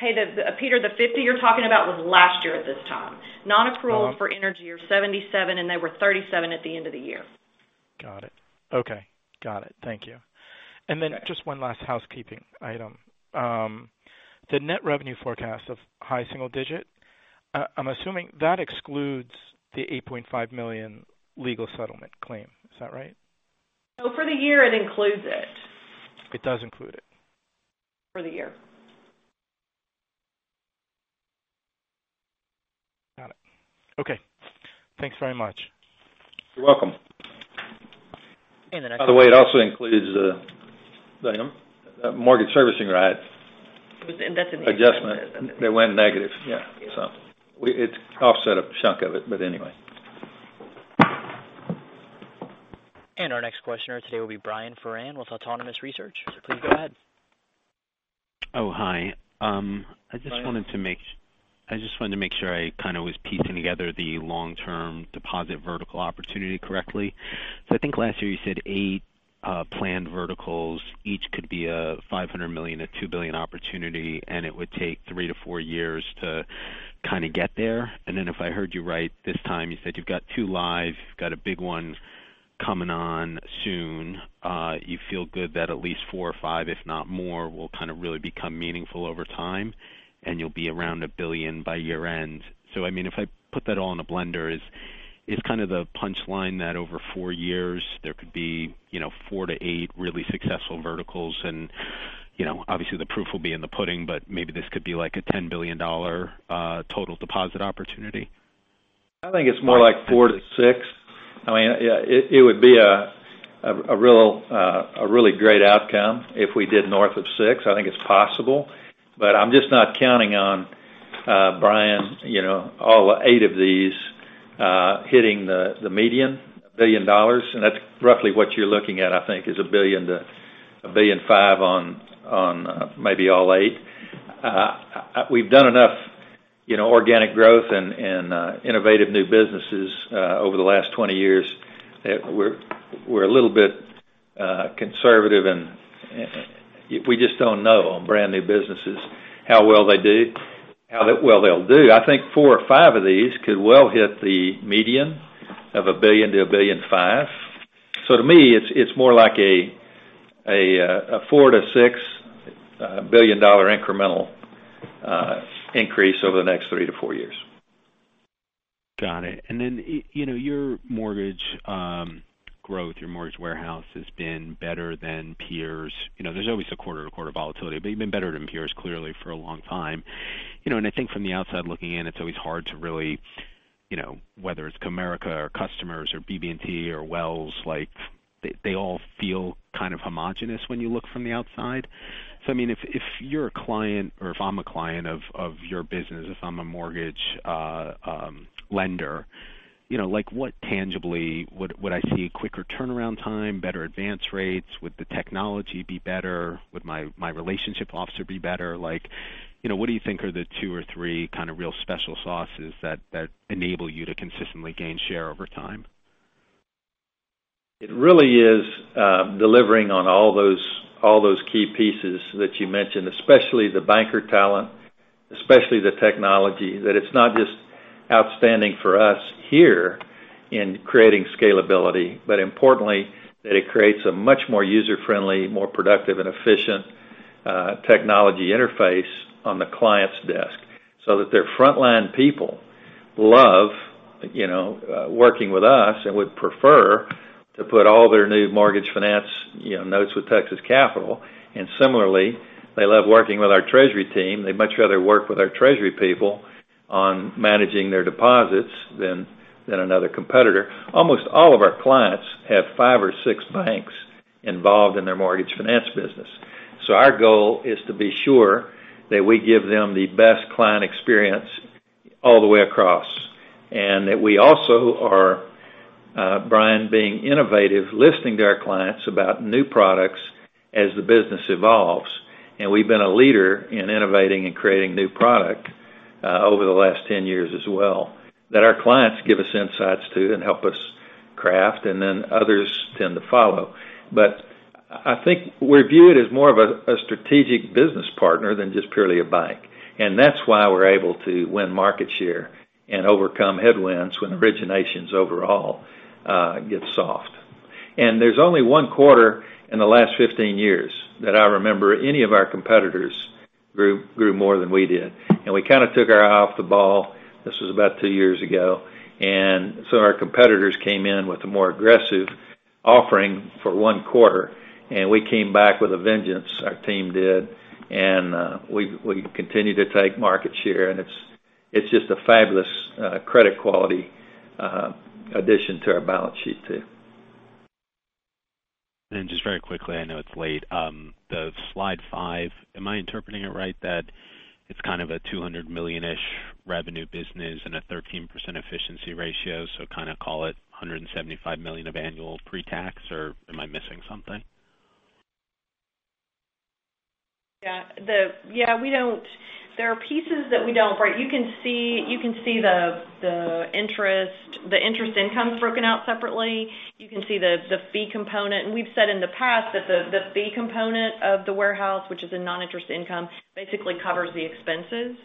Hey, Peter, the 50 you're talking about was last year at this time. Non-accruals for energy are 77, and they were 37 at the end of the year. Got it. Okay. Got it. Thank you. Just one last housekeeping item. The net revenue forecast of high single digit, I'm assuming that excludes the $8.5 million legal settlement claim. Is that right? For the year, it includes it. It does include it. For the year. Got it. Okay. Thanks very much. You're welcome. The next- By the way, it also includes the mortgage servicing rights. That's in the- Adjustment that went negative, yeah, it offset a chunk of it, but anyway. Our next questioner today will be Brian Foran with Autonomous Research. Please go ahead. Hi. Brian. I just wanted to make sure I kind of was piecing together the long-term deposit vertical opportunity correctly. I think last year you said eight planned verticals each could be a $500 million to $2 billion opportunity, and it would take 3 to 4 years to kind of get there. If I heard you right this time, you said you've got two live, you've got a big one coming on soon. You feel good that at least four or five, if not more, will kind of really become meaningful over time, and you'll be around $1 billion by year-end. I mean, if I put that all in a blender, is kind of the punchline that over 4 years there could be 4 to 8 really successful verticals and obviously the proof will be in the pudding, but maybe this could be like a $10 billion total deposit opportunity? I think it's more like four to six. I mean, it would be a really great outcome if we did north of six. I think it's possible. I'm just not counting on, Brian, all eight of these hitting the median, $1 billion, and that's roughly what you're looking at, I think, is $1 billion-$1.5 billion on maybe all eight. We've done enough organic growth and innovative new businesses over the last 20 years that we're a little bit conservative, and we just don't know on brand new businesses how well they'll do. I think four or five of these could well hit the median of $1 billion-$1.5 billion. To me, it's more like a $4 billion-$6 billion incremental increase over the next three to four years. Got it. Then, your mortgage growth, your mortgage warehouse has been better than peers. There's always a quarter-to-quarter volatility, you've been better than peers clearly for a long time. I think from the outside looking in, it's always hard to really, whether it's Comerica or Customers or BB&T or Wells, they all feel kind of homogenous when you look from the outside. I mean, if you're a client or if I'm a client of your business, if I'm a mortgage lender, tangibly, would I see quicker turnaround time, better advance rates? Would the technology be better? Would my relationship officer be better? What do you think are the two or three kind of real special sauces that enable you to consistently gain share over time? It really is delivering on all those key pieces that you mentioned, especially the banker talent, especially the technology. That it's not just outstanding for us here in creating scalability, but importantly, that it creates a much more user-friendly, more productive and efficient technology interface on the client's desk, so that their frontline people love working with us and would prefer to put all their new mortgage finance notes with Texas Capital. Similarly, they love working with our treasury team. They'd much rather work with our treasury people on managing their deposits than another competitor. Almost all of our clients have five or six banks involved in their mortgage finance business. Our goal is to be sure that we give them the best client experience all the way across, and that we also are, Brian, being innovative, listening to our clients about new products as the business evolves. We've been a leader in innovating and creating new product over the last 10 years as well, that our clients give us insights to and help us craft, then others tend to follow. I think we're viewed as more of a strategic business partner than just purely a bank, and that's why we're able to win market share and overcome headwinds when originations overall get soft. There's only one quarter in the last 15 years that I remember any of our competitors grew more than we did. We kind of took our eye off the ball, this was about two years ago. Our competitors came in with a more aggressive offering for one quarter, we came back with a vengeance, our team did, we continue to take market share, it's just a fabulous credit quality addition to our balance sheet too. Just very quickly, I know it's late. The slide five, am I interpreting it right that it's kind of a $200 million-ish revenue business and a 13% efficiency ratio, so kind of call it $175 million of annual pre-tax, or am I missing something? Yeah. There are pieces that we don't. You can see the interest incomes broken out separately. You can see the fee component. We've said in the past that the fee component of the warehouse, which is a non-interest income, basically covers the expenses.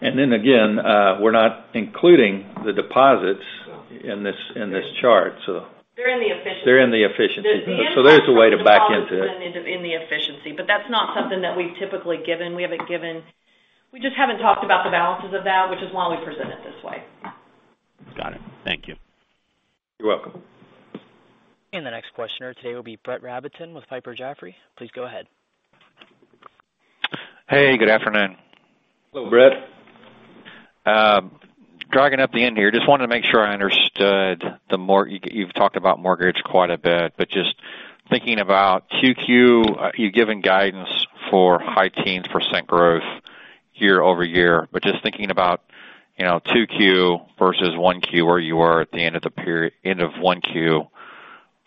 Again, we're not including the deposits in this chart, so. They're in the efficiency. They're in the efficiency. There's a way to back into it. The interest from the deposits went into in the efficiency, that's not something that we've typically given. We just haven't talked about the balances of that, which is why we present it this way. Got it. Thank you. You're welcome. The next questioner today will be Brett Rabatin with Piper Jaffray. Please go ahead. Hey, good afternoon. Hello, Brett. Dragging up the end here, just wanted to make sure I understood, you've talked about mortgage quite a bit, but just thinking about 2Q, you've given guidance for high teens% growth year-over-year. Just thinking about 2Q versus 1Q, where you were at the end of 1Q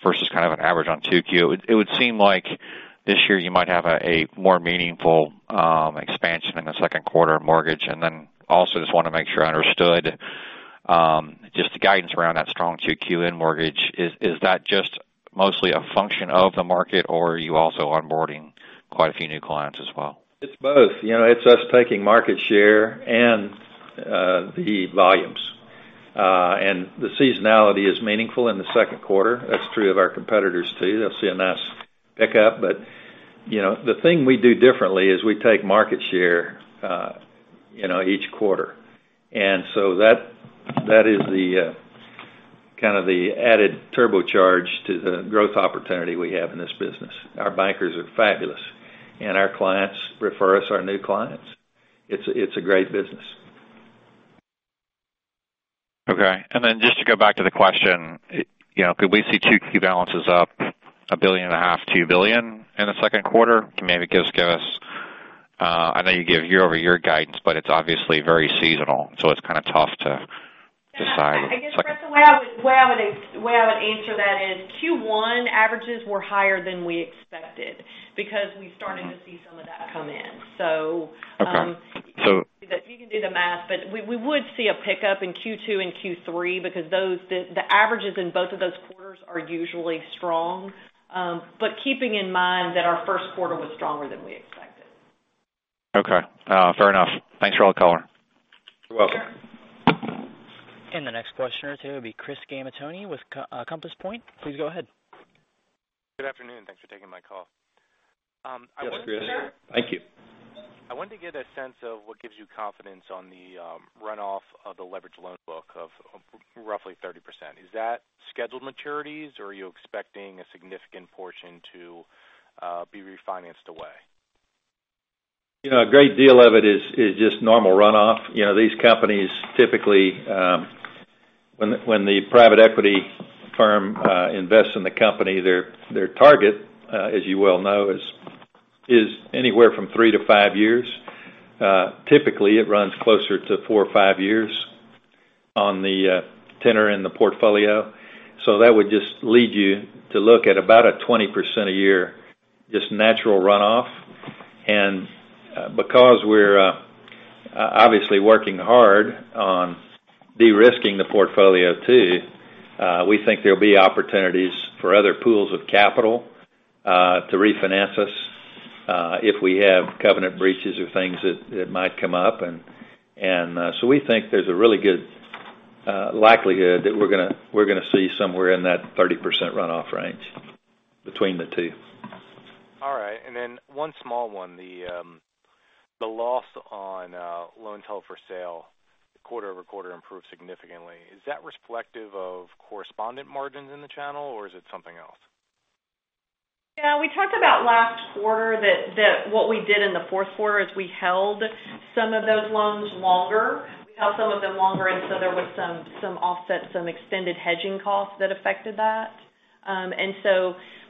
versus kind of an average on 2Q. It would seem like this year you might have a more meaningful expansion in the second quarter of mortgage. Also just want to make sure I understood just the guidance around that strong 2Q in mortgage. Is that just mostly a function of the market, or are you also onboarding quite a few new clients as well? It's both. It's us taking market share and the volumes. The seasonality is meaningful in the second quarter. That's true of our competitors, too. They'll see a nice pickup. The thing we do differently is we take market share each quarter. That is kind of the added turbocharge to the growth opportunity we have in this business. Our bankers are fabulous, and our clients refer us our new clients. It's a great business. Okay. Just to go back to the question, could we see 2Q balances up $1.5 billion-$2 billion in the second quarter? Maybe just give us. I know you give year-over-year guidance, but it's obviously very seasonal, so it's kind of tough to decide. I guess, Brett, the way I would answer that is Q1 averages were higher than we expected because we've started to see some of that come in. Okay. You can do the math, we would see a pickup in Q2 and Q3 because the averages in both of those quarters are usually strong. Keeping in mind that our first quarter was stronger than we expected. Okay. Fair enough. Thanks for all the color. You're welcome. The next questioner today will be Christopher Gamaitoni with Compass Point. Please go ahead. Good afternoon. Thanks for taking my call. Yes, Chris. Thank you. I wanted to get a sense of what gives you confidence on the runoff of the leverage loan book of roughly 30%. Is that scheduled maturities, or are you expecting a significant portion to be refinanced away? A great deal of it is just normal runoff. These companies, typically, when the private equity firm invests in the company, their target, as you well know, is anywhere from three to five years. Typically, it runs closer to four or five years on the tenor in the portfolio. That would just lead you to look at about a 20% a year, just natural runoff. Because we're obviously working hard on de-risking the portfolio too, we think there'll be opportunities for other pools of capital to refinance us if we have covenant breaches or things that might come up. We think there's a really good likelihood that we're going to see somewhere in that 30% runoff range between the two. All right. One small one, the loss on loan held for sale quarter-over-quarter improved significantly. Is that reflective of correspondent margins in the channel, or is it something else? Yeah. We talked about last quarter that what we did in the fourth quarter is we held some of those loans longer. We held some of them longer, there was some offset, some extended hedging costs that affected that.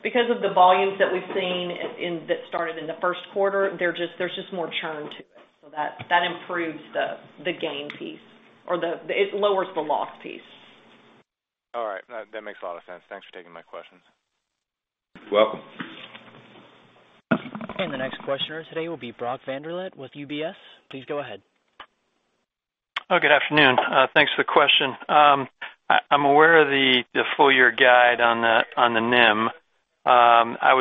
Because of the volumes that we've seen that started in the first quarter, there's just more churn to it. That improves the gain piece or it lowers the loss piece. All right. That makes a lot of sense. Thanks for taking my questions. You're welcome. The next questioner today will be Brock Vandervliet with UBS. Please go ahead. Oh, good afternoon. Thanks for the question. I'm aware of the full year guide on the NIM. I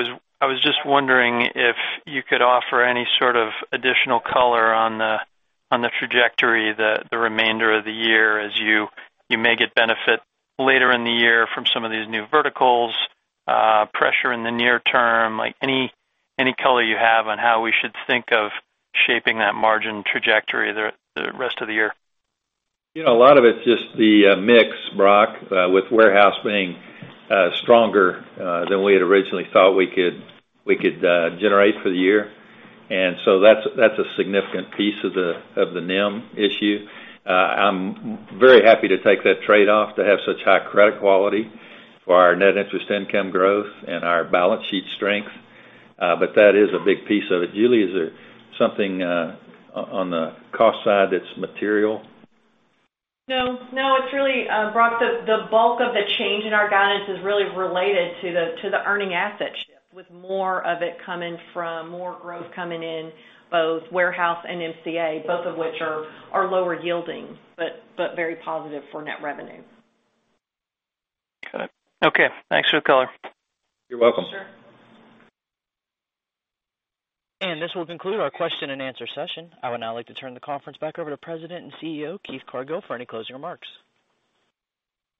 was just wondering if you could offer any sort of additional color on the trajectory, the remainder of the year as you may get benefit later in the year from some of these new verticals, pressure in the near term, like any color you have on how we should think of shaping that margin trajectory the rest of the year. A lot of it's just the mix, Brock, with warehouse being stronger than we had originally thought we could generate for the year. That's a significant piece of the NIM issue. I'm very happy to take that trade-off to have such high credit quality for our net interest income growth and our balance sheet strength. That is a big piece of it. Julie, is there something on the cost side that's material? No. Brock, the bulk of the change in our guidance is really related to the earning asset shift, with more of it coming from more growth coming in both warehouse and MCA, both of which are lower yielding but very positive for net revenue. Got it. Okay. Thanks for the color. You're welcome. Sure. This will conclude our question and answer session. I would now like to turn the conference back over to President and CEO, Keith Cargill, for any closing remarks.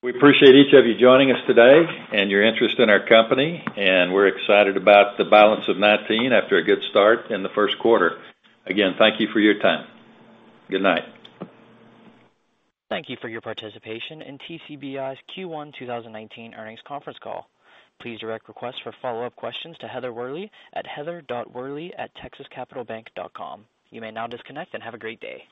We appreciate each of you joining us today and your interest in our company, and we're excited about the balance of 2019 after a good start in the first quarter. Again, thank you for your time. Good night. Thank you for your participation in TCBI's Q1 2019 earnings conference call. Please direct requests for follow-up questions to Heather Worley at heather.worley@texascapitalbank.com. You may now disconnect. Have a great day.